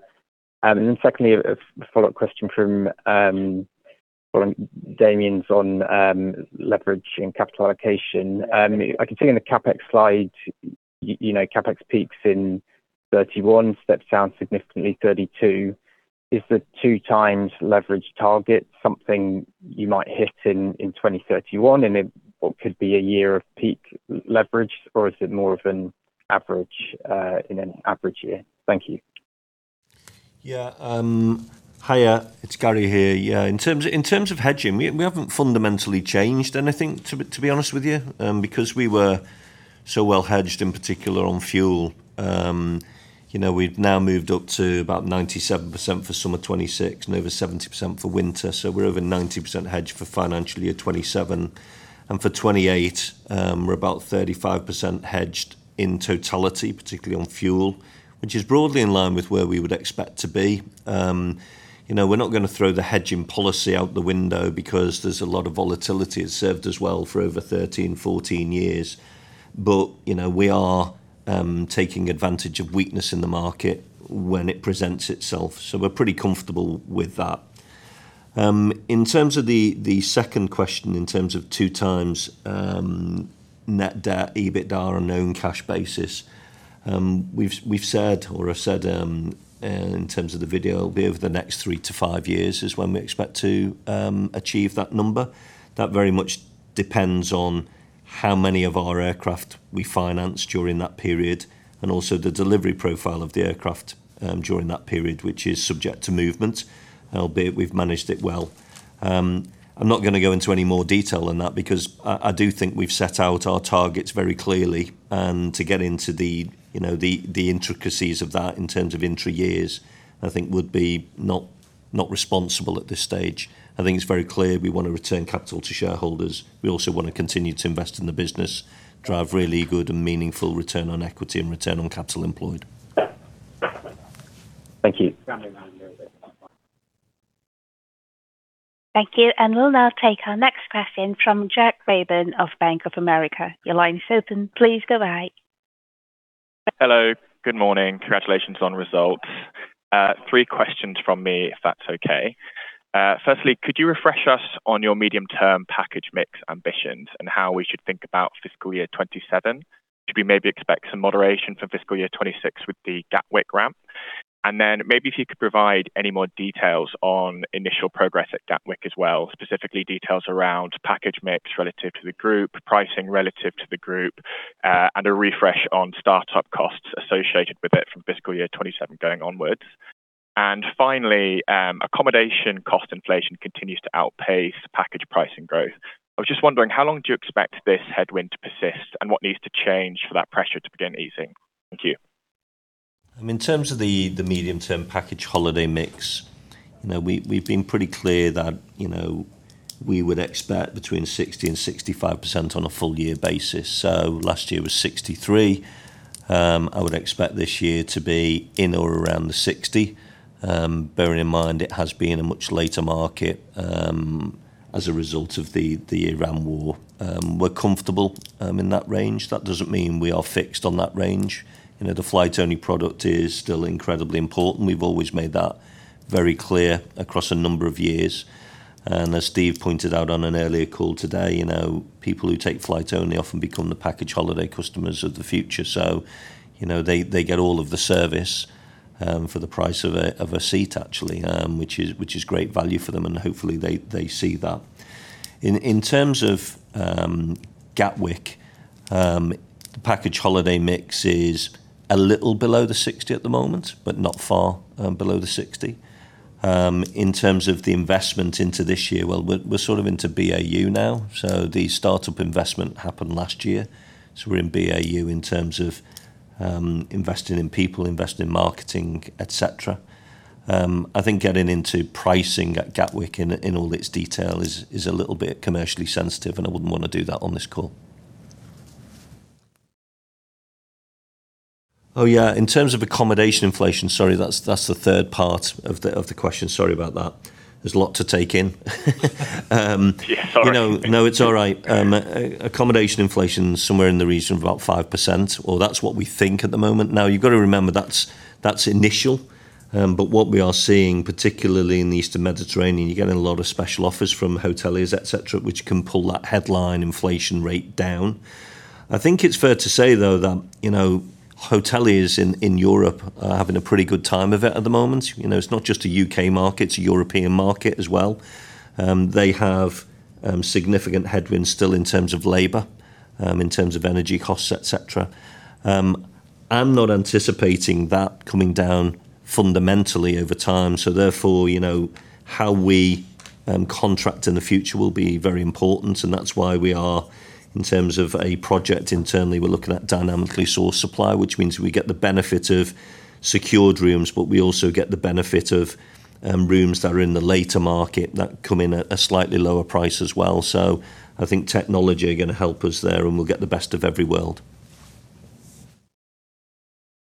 Then secondly, a follow-up question following Damian's on leverage and capital allocation. I can see in the CapEx slide, CapEx peaks in 2031. That sounds significantly 2032. Is the 2x leverage target something you might hit in 2031, in what could be a year of peak leverage, or is it more of an average in an average year? Thank you. Hiya, it's Gary here. In terms of hedging, we haven't fundamentally changed anything, to be honest with you, because we were so well hedged, in particular on fuel. We've now moved up to about 97% for summer 2026 and over 70% for winter, so we're over 90% hedged for financial year 2027. For 2028, we're about 35% hedged in totality, particularly on fuel, which is broadly in line with where we would expect to be. We're not going to throw the hedging policy out the window because there's a lot of volatility. It's served us well for over 13, 14 years. We are taking advantage of weakness in the market when it presents itself. We're pretty comfortable with that. In terms of the second question, in terms of 2x net debt, EBITDA on an own cash basis, we've said, or I've said in terms of the video, over the next three to five years is when we expect to achieve that number. That very much depends on how many of our aircraft we finance during that period, and also the delivery profile of the aircraft during that period, which is subject to movement, albeit we've managed it well. I'm not going to go into any more detail on that because I do think we've set out our targets very clearly, and to get into the intricacies of that in terms of intra-years, I think would be not responsible at this stage. I think it's very clear we want to return capital to shareholders. We also want to continue to invest in the business, drive really good and meaningful return on equity, and return on capital employed. Thank you. Thank you. We'll now take our next question from Jack Raeburn of Bank of America. Your line is open. Please go ahead. Hello. Good morning. Congratulations on the results. Three questions from me, if that's okay. Firstly, could you refresh us on your medium-term package mix ambitions and how we should think about fiscal year 2027? Should we maybe expect some moderation for fiscal year 2026 with the Gatwick ramp? Then maybe if you could provide any more details on initial progress at Gatwick as well, specifically details around package mix relative to the group, pricing relative to the group, and a refresh on start-up costs associated with it from fiscal year 2027 going onwards. Finally, accommodation cost inflation continues to outpace package pricing growth. I was just wondering, how long do you expect this headwind to persist, and what needs to change for that pressure to begin easing? Thank you. In terms of the medium-term package holiday mix, we've been pretty clear that we would expect between 60%-65% on a full year basis. Last year was 63%. I would expect this year to be in or around the 60%, bearing in mind it has been a much later market as a result of the Iran War. We're comfortable in that range. That doesn't mean we are fixed on that range. The flights-only product is still incredibly important. We've always made that very clear across a number of years. As Steve pointed out on an earlier call today, people who take flights-only often become the package holiday customers of the future. They get all of the service for the price of a seat actually, which is great value for them, and hopefully they see that. In terms of Gatwick, the package holiday mix is a little below the 60% at the moment, but not far below the 60%. In terms of the investment into this year, well, we're sort of into BAU now. The start-up investment happened last year. We're in BAU in terms of investing in people, investing in marketing, et cetera. I think getting into pricing at Gatwick in all its detail is a little bit commercially sensitive, and I wouldn't want to do that on this call. Oh, yeah. In terms of accommodation inflation, sorry, that's the third part of the question. Sorry about that. There's a lot to take in. Yeah. Sorry. It's all right. Accommodation inflation is somewhere in the region of about 5%, or that's what we think at the moment. You've got to remember that's initial. What we are seeing, particularly in the eastern Mediterranean, you're getting a lot of special offers from hoteliers, et cetera, which can pull that headline inflation rate down. I think it's fair to say, though, that hoteliers in Europe are having a pretty good time of it at the moment. It's not just a U.K. market, it's a European market as well. They have significant headwinds still in terms of labor, in terms of energy costs, et cetera. I'm not anticipating that coming down fundamentally over time. How we contract in the future will be very important, that's why we are, in terms of a project internally, we're looking at dynamically sourced supply, which means we get the benefit of secured rooms, we also get the benefit of rooms that are in the later market that come in at a slightly lower price as well. I think technology is going to help us there, we'll get the best of every world.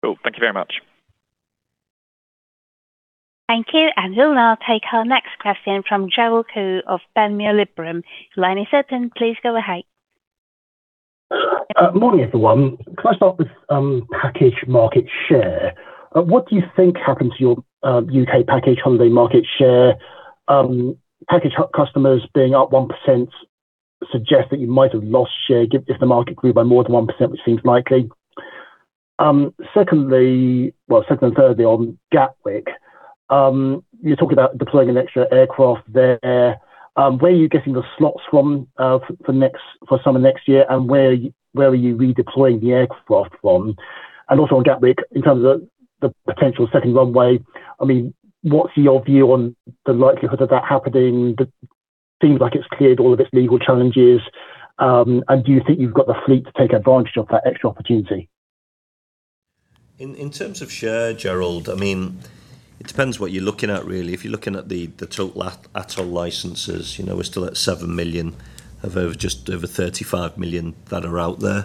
Cool. Thank you very much. Thank you. We'll now take our next question from Gerald Khoo of Panmure Liberum. Your line is open. Please go ahead. Morning, everyone. Can I start with package market share? What do you think happened to your U.K. package holiday market share? Package customers being up 1% suggests that you might have lost share if the market grew by more than 1%, which seems likely. Secondly, second and thirdly on Gatwick, you talk about deploying an extra aircraft there. Where are you getting the slots from for summer next year, and where are you redeploying the aircraft from? Also on Gatwick, in terms of the potential second runway, what's your view on the likelihood of that happening? It seems like it's cleared all of its legal challenges. Do you think you've got the fleet to take advantage of that extra opportunity? In terms of share, Gerald, it depends what you're looking at, really. If you're looking at the total ATOL licenses, we're still at 7 million of just over 35 million that are out there.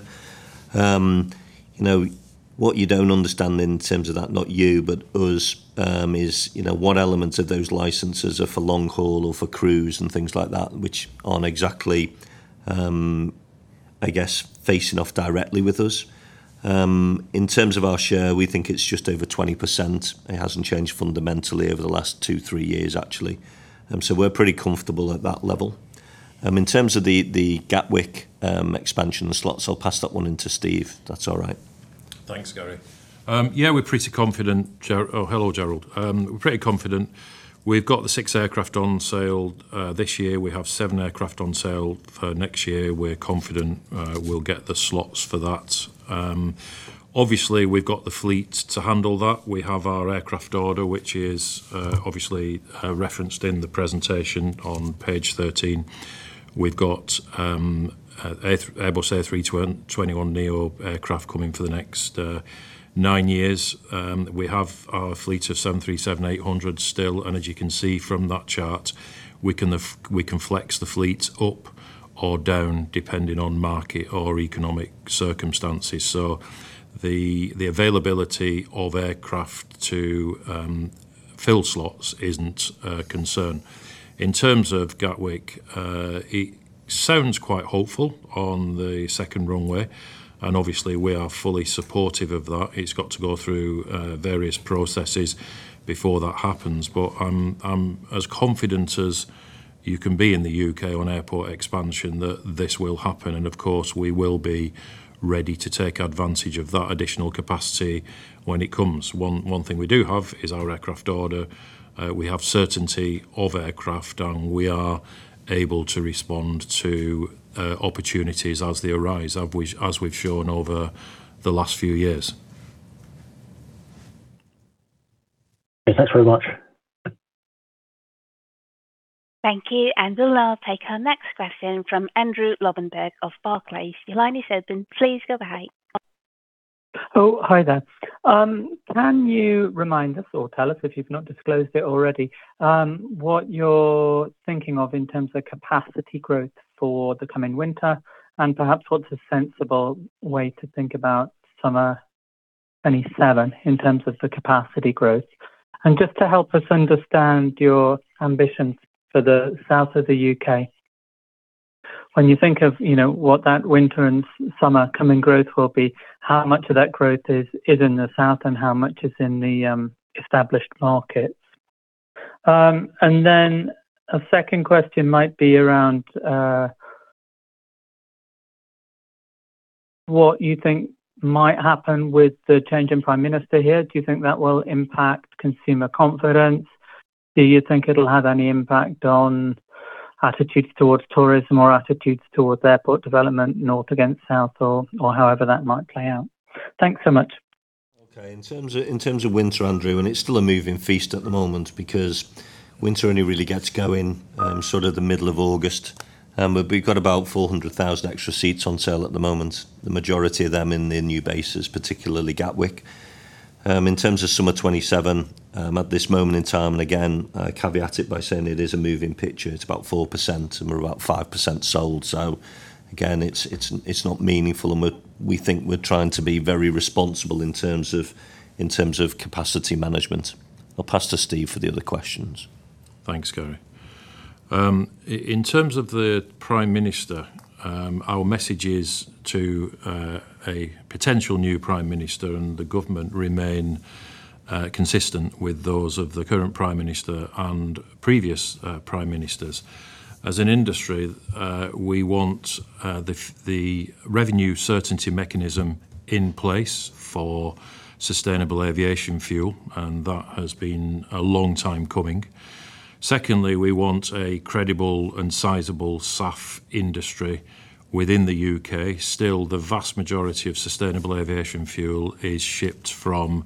What you don't understand in terms of that, not you, but us, is what elements of those licenses are for long haul or for cruise and things like that, which aren't exactly facing off directly with us. In terms of our share, we think it's just over 20%. It hasn't changed fundamentally over the last two, three years. We're pretty comfortable at that level. In terms of the Gatwick expansion slots, I'll pass that one onto Steve, if that's all right. Thanks, Gary. We're pretty confident, Gerald. Oh, hello, Gerald. We're pretty confident. We've got the six aircraft on sale this year. We have seven aircraft on sale for next year. We're confident we'll get the slots for that. We've got the fleet to handle that. We have our aircraft order, which is obviously referenced in the presentation on page 13. We've got Airbus A321neo aircraft coming for the next nine years. We have our fleet of 737-800s still, and as you can see from that chart, we can flex the fleet up or down depending on market or economic circumstances. The availability of aircraft to fill slots isn't a concern. In terms of Gatwick, it sounds quite hopeful on the second runway. We are fully supportive of that. It's got to go through various processes before that happens. I'm as confident as you can be in the U.K. on airport expansion that this will happen. We will be ready to take advantage of that additional capacity when it comes. One thing we do have is our aircraft order. We have certainty of aircraft. We are able to respond to opportunities as they arise, as we've shown over the last few years. Okay, thanks very much. Thank you. We'll now take our next question from Andrew Lobbenberg of Barclays. Your line is open. Please go ahead. Oh, hi there. Can you remind us, or tell us if you've not disclosed it already, what you're thinking of in terms of capacity growth for the coming winter? Perhaps what's a sensible way to think about summer 2027 in terms of the capacity growth? Just to help us understand your ambition for the south of the U.K., when you think of what that winter and summer coming growth will be, how much of that growth is in the south and how much is in the established markets? Then a second question might be around what you think might happen with the change in prime minister here. Do you think that will impact consumer confidence? Do you think it'll have any impact on attitudes towards tourism or attitudes towards airport development, north against south, or however that might play out? Thanks so much. Okay. In terms of winter, Andrew, it's still a moving feast at the moment because winter only really gets going sort of the middle of August. We've got about 400,000 extra seats on sale at the moment, the majority of them in the new bases, particularly Gatwick. In terms of summer 2027, at this moment in time, again, I caveat it by saying it is a moving picture. It's about 4%. We're about 5% sold. Again, it's not meaningful. We think we're trying to be very responsible in terms of capacity management. I'll pass to Steve for the other questions. Thanks, Gary. In terms of the prime minister, our message is to a potential new prime minister and the government remain consistent with those of the current prime minister and previous prime ministers. As an industry, we want the revenue certainty mechanism in place for sustainable aviation fuel, and that has been a long time coming. Secondly, we want a credible and sizable SAF industry within the U.K. Still, the vast majority of sustainable aviation fuel is shipped from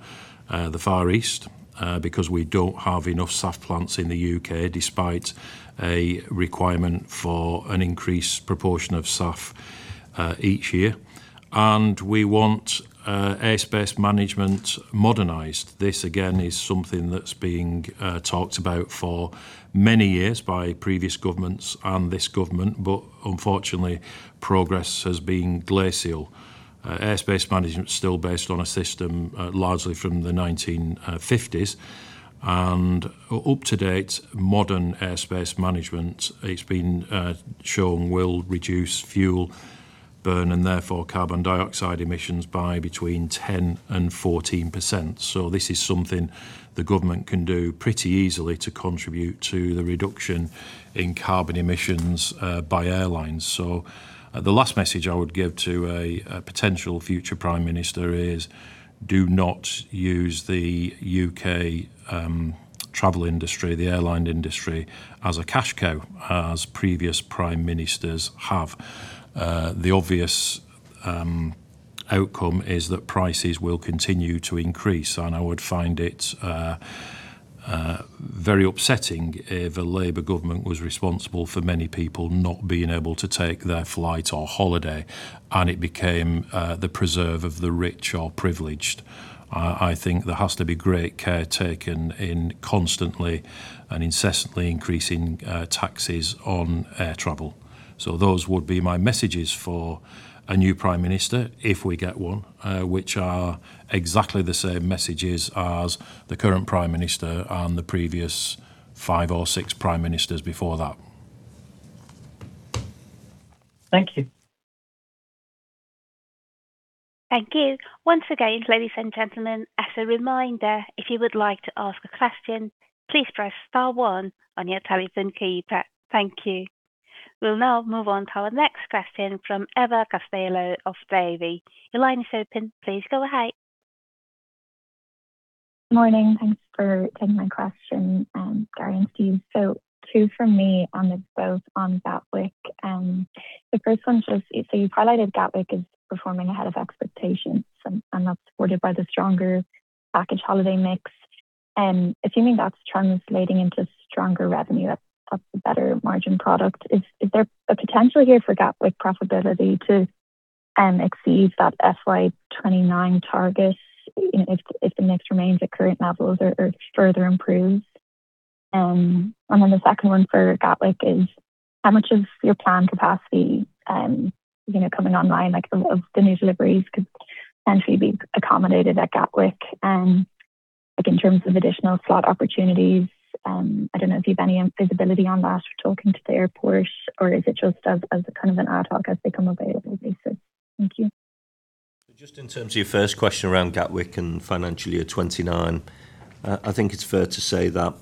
the Far East because we don't have enough SAF plants in the U.K., despite a requirement for an increased proportion of SAF each year. We want airspace management modernized. This, again, is something that's being talked about for many years by previous governments and this government. Unfortunately, progress has been glacial. Airspace management's still based on a system largely from the 1950s. Up-to-date modern airspace management, it's been shown, will reduce fuel burn and therefore carbon dioxide emissions by between 10%-14%. This is something the government can do pretty easily to contribute to the reduction in carbon emissions by airlines. The last message I would give to a potential future prime minister is do not use the U.K. travel industry, the airline industry, as a cash cow, as previous prime ministers have. The obvious outcome is that prices will continue to increase. I would find it very upsetting if a Labour government was responsible for many people not being able to take their flight or holiday, and it became the preserve of the rich or privileged. I think there has to be great care taken in constantly and incessantly increasing taxes on air travel. Those would be my messages for a new prime minister, if we get one, which are exactly the same messages as the current prime minister and the previous five or six prime ministers before that. Thank you. Thank you. Once again, ladies and gentlemen, as a reminder, if you would like to ask a question, please press star one on your telephone keypad. Thank you. We will now move on to our next question from Ava Costello of Davy. Your line is open. Please go ahead. Morning. Thanks for taking my question, Gary and Steve. Two from me, and it's both on Gatwick. The first one's just, you've highlighted Gatwick as performing ahead of expectations, and that's supported by the stronger package holiday mix. Assuming that's translating into stronger revenue, that's a better margin product. Is there a potential here for Gatwick profitability to exceed that FY 2029 targets if the mix remains at current levels or further improved? The second one for Gatwick is, how much of your planned capacity coming online, like of the new deliveries, could potentially be accommodated at Gatwick? In terms of additional slot opportunities, I don't know if you have any visibility on that or talking to the airport, or is it just as kind of an ad hoc, as they come available basis? Thank you. Just in terms of your first question around Gatwick and financial year 2029, I think it's fair to say that,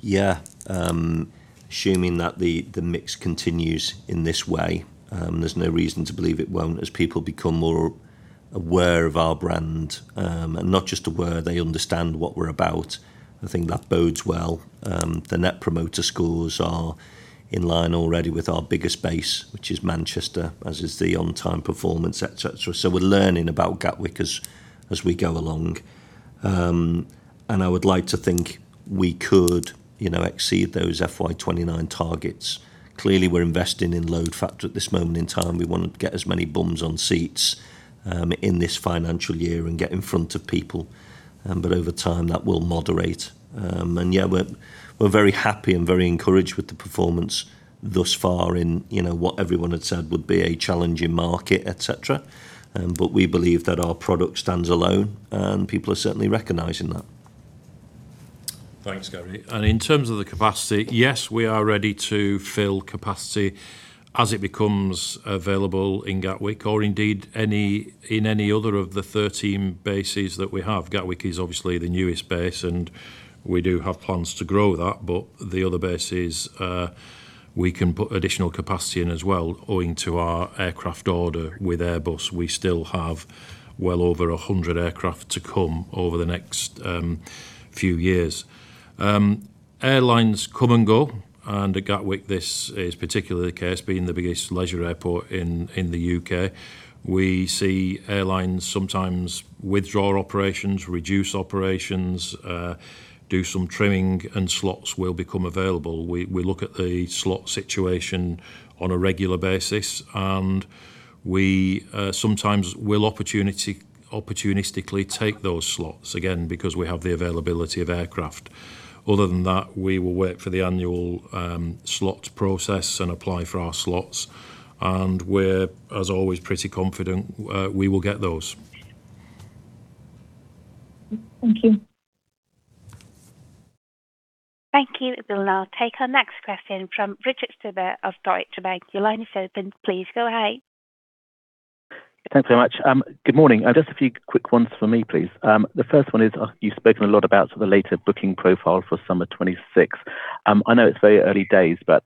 yeah, assuming that the mix continues in this way, there's no reason to believe it won't, as people become more aware of our brand. Not just aware, they understand what we're about. I think that bodes well. The Net Promoter Scores are in line already with our biggest base, which is Manchester, as is the on-time performance, et cetera. We're learning about Gatwick as we go along. I would like to think we could exceed those FY 2029 targets. Clearly, we're investing in load factor at this moment in time. We want to get as many bums on seats in this financial year and get in front of people. Over time, that will moderate. Yeah, we're very happy and very encouraged with the performance thus far in what everyone had said would be a challenging market, et cetera. We believe that our product stands alone, and people are certainly recognizing that. Thanks, Gary. In terms of the capacity, yes, we are ready to fill capacity as it becomes available in Gatwick or indeed in any other of the 13 bases that we have. Gatwick is obviously the newest base, and we do have plans to grow that. The other bases, we can put additional capacity in as well, owing to our aircraft order with Airbus. We still have well over 100 aircraft to come over the next few years. Airlines come and go, and at Gatwick, this is particularly the case, being the biggest leisure airport in the U.K. We see airlines sometimes withdraw operations, reduce operations, do some trimming, and slots will become available. We look at the slot situation on a regular basis, and we sometimes will opportunistically take those slots, again, because we have the availability of aircraft. Other than that, we will wait for the annual slot process and apply for our slots. We're, as always, pretty confident we will get those. Thank you. Thank you. We'll now take our next question from Richard Stuber of Deutsche Bank. Your line is open. Please go ahead. Thanks very much. Good morning. Just a few quick ones from me, please. The first one is, you've spoken a lot about the later booking profile for summer 2026.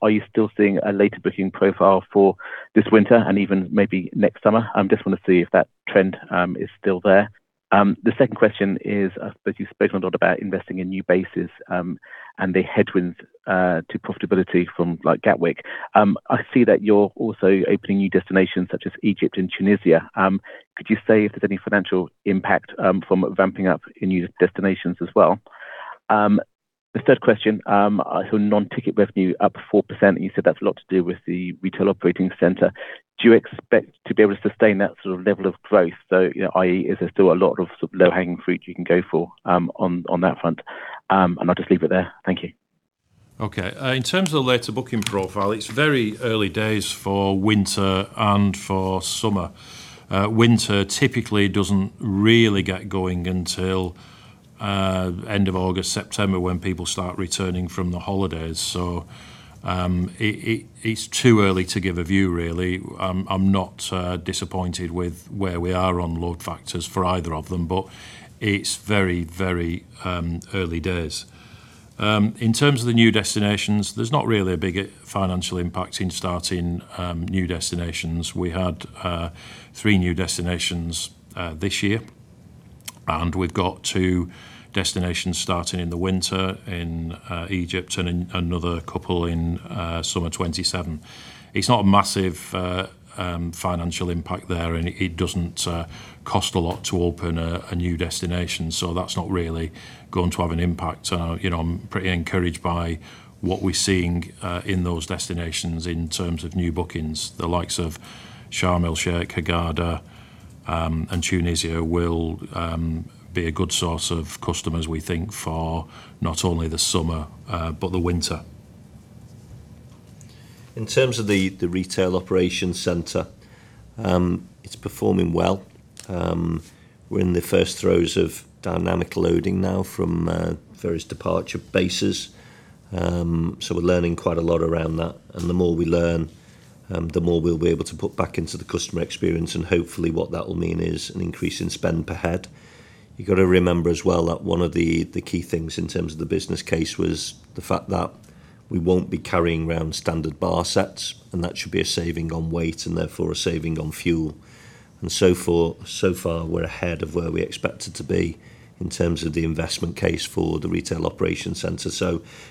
Are you still seeing a later booking profile for this winter and even maybe next summer? I just want to see if that trend is still there. The second question is, I suppose you've spoken a lot about investing in new bases, and the headwinds to profitability from Gatwick. I see that you're also opening new destinations such as Egypt and Tunisia. Could you say if there's any financial impact from vamping up in new destinations as well? The third question, I saw non-ticket revenue up 4%, and you said that's a lot to do with the retail operating center. Do you expect to be able to sustain that sort of level of growth, i.e., is there still a lot of low-hanging fruit you can go for on that front? I'll just leave it there. Thank you. Okay. In terms of the later booking profile, it's very early days for winter and for summer. Winter typically doesn't really get going until end of August, September, when people start returning from their holidays. It's too early to give a view, really. I'm not disappointed with where we are on load factors for either of them, but it's very early days. In terms of the new destinations, there's not really a big financial impact in starting new destinations. We had three new destinations this year, and we've got two destinations starting in the winter in Egypt and another couple in summer 2027. It's not a massive financial impact there, and it doesn't cost a lot to open a new destination, that's not really going to have an impact. I'm pretty encouraged by what we're seeing in those destinations in terms of new bookings. The likes of Sharm el-Sheikh, Hurghada, and Tunisia will be a good source of customers, we think, for not only the summer, but the winter. In terms of the retail operation center, it's performing well. We're in the first throes of dynamic loading now from various departure bases, so we're learning quite a lot around that. The more we learn, the more we'll be able to put back into the customer experience, hopefully what that will mean is an increase in spend per head. You've got to remember as well that one of the key things in terms of the business case was the fact that we won't be carrying around standard bar sets. That should be a saving on weight and therefore a saving on fuel. So far, we're ahead of where we expected to be in terms of the investment case for the retail operation center.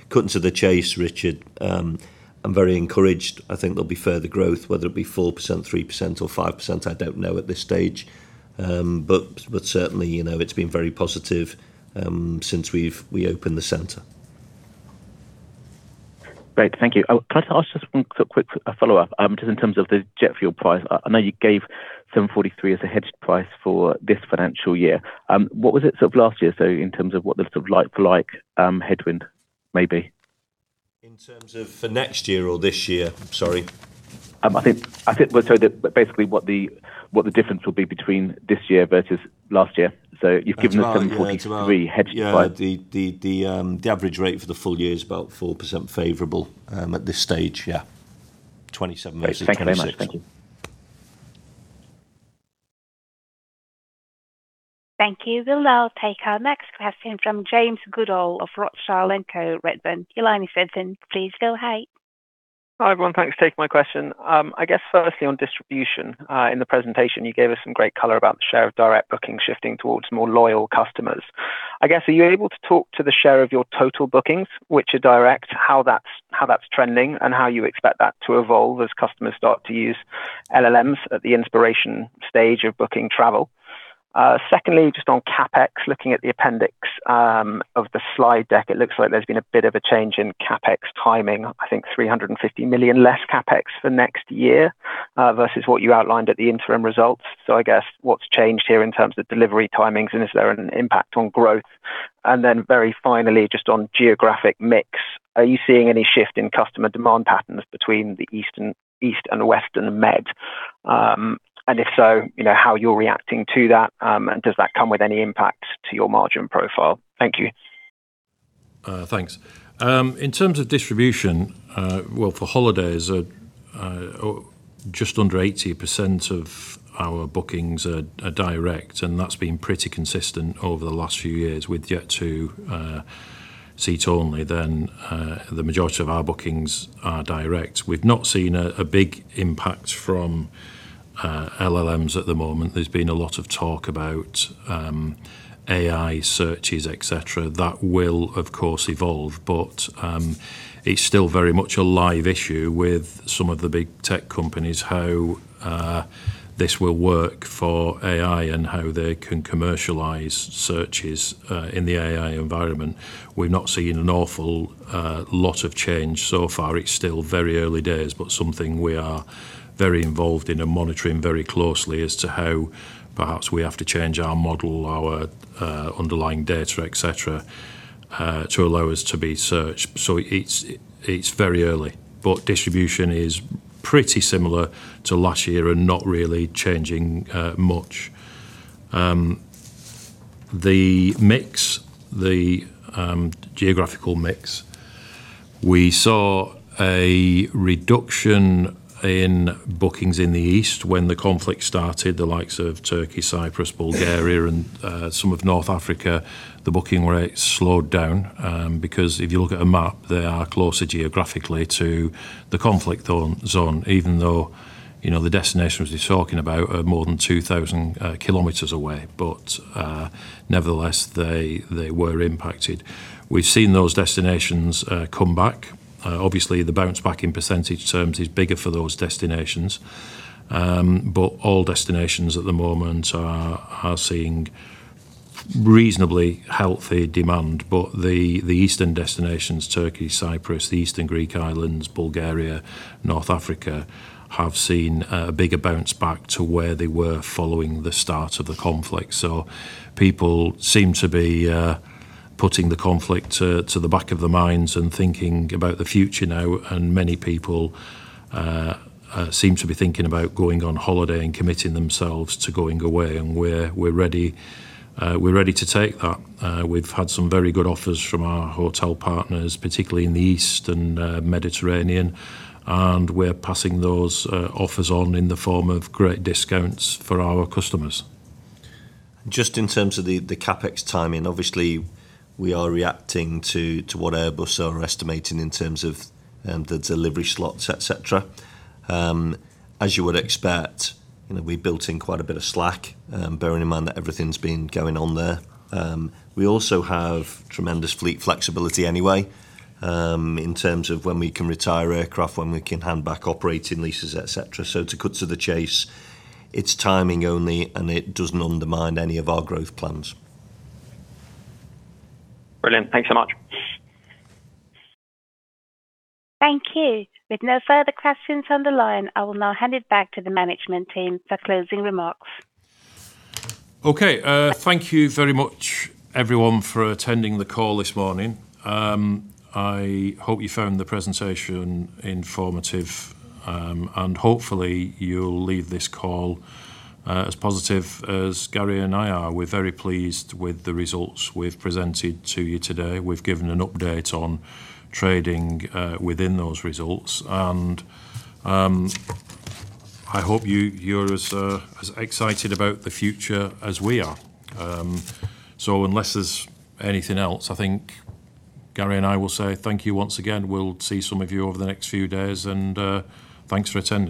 Cutting to the chase, Richard, I'm very encouraged. I think there'll be further growth, whether it be 4%, 3%, or 5%, I don't know at this stage. Certainly, it's been very positive since we opened the center. Great. Thank you. Can I ask just a quick follow-up, just in terms of the jet fuel price? I know you gave $743 as a hedged price for this financial year. What was it last year, so in terms of what the like-for-like headwind may be? In terms of for next year or this year? Sorry. Sorry. Basically, what the difference will be between this year versus last year. You've given us $743 hedged price. Yeah. The average rate for the full year is about 4% favorable at this stage. Yeah. 2027 versus 2026. Great. Thank you very much. Thank you. Thank you. We'll now take our next question from James Goodall of Rothschild & Co Redburn. Your line is open. Please go ahead. Hi, everyone. Thanks for taking my question. Firstly on distribution. In the presentation, you gave us some great color about the share of direct bookings shifting towards more loyal customers. Are you able to talk to the share of your total bookings, which are direct, how that's trending, and how you expect that to evolve as customers start to use LLMs at the inspiration stage of booking travel? Secondly, on CapEx, looking at the appendix of the slide deck, it looks like there's been a bit of a change in CapEx timing. I think 350 million less CapEx for next year versus what you outlined at the interim results. What's changed here in terms of delivery timings, and is there an impact on growth? Very finally, on geographic mix, are you seeing any shift in customer demand patterns between the east and west and the Med? If so, how you're reacting to that, and does that come with any impact to your margin profile? Thank you. Thanks. In terms of distribution, for holidays, just under 80% of our bookings are direct, and that's been pretty consistent over the last few years. With Jet2 seats only, the majority of our bookings are direct. We've not seen a big impact from LLMs at the moment. There's been a lot of talk about AI searches, et cetera. That will, of course, evolve. It's still very much a live issue with some of the big tech companies, how this will work for AI and how they can commercialize searches in the AI environment. We've not seen an awful lot of change so far. It's still very early days, but something we are very involved in and monitoring very closely as to how perhaps we have to change our model, our underlying data, et cetera, to allow us to be searched. It's very early. Distribution is pretty similar to last year and not really changing much. The mix, the geographical mix. We saw a reduction in bookings in the east when the conflict started, the likes of Turkey, Cyprus, Bulgaria, and some of North Africa, the booking rate slowed down, because if you look at a map, they are closer geographically to the conflict zone, even though the destinations we're talking about are more than 2,000 km away. Nevertheless, they were impacted. We've seen those destinations come back. Obviously, the bounce back in percentage terms is bigger for those destinations. All destinations at the moment are seeing reasonably healthy demand. The eastern destinations, Turkey, Cyprus, the Eastern Greek Islands, Bulgaria, North Africa, have seen a bigger bounce back to where they were following the start of the conflict. People seem to be putting the conflict to the back of their minds and thinking about the future now, many people seem to be thinking about going on holiday and committing themselves to going away, we're ready to take that. We've had some very good offers from our hotel partners, particularly in the Eastern Mediterranean, we're passing those offers on in the form of great discounts for our customers. Just in terms of the CapEx timing, obviously, we are reacting to what Airbus are estimating in terms of the delivery slots, et cetera. As you would expect, we built in quite a bit of slack, bearing in mind that everything's been going on there. We also have tremendous fleet flexibility anyway, in terms of when we can retire aircraft, when we can hand back operating leases, et cetera. To cut to the chase, it's timing only, it doesn't undermine any of our growth plans. Brilliant. Thanks so much. Thank you. With no further questions on the line, I will now hand it back to the management team for closing remarks. Okay. Thank you very much, everyone, for attending the call this morning. I hope you found the presentation informative, and hopefully you'll leave this call as positive as Gary and I are. We're very pleased with the results we've presented to you today. We've given an update on trading within those results, and I hope you're as excited about the future as we are. Unless there's anything else, I think Gary and I will say thank you once again. We'll see some of you over the next few days, and thanks for attending.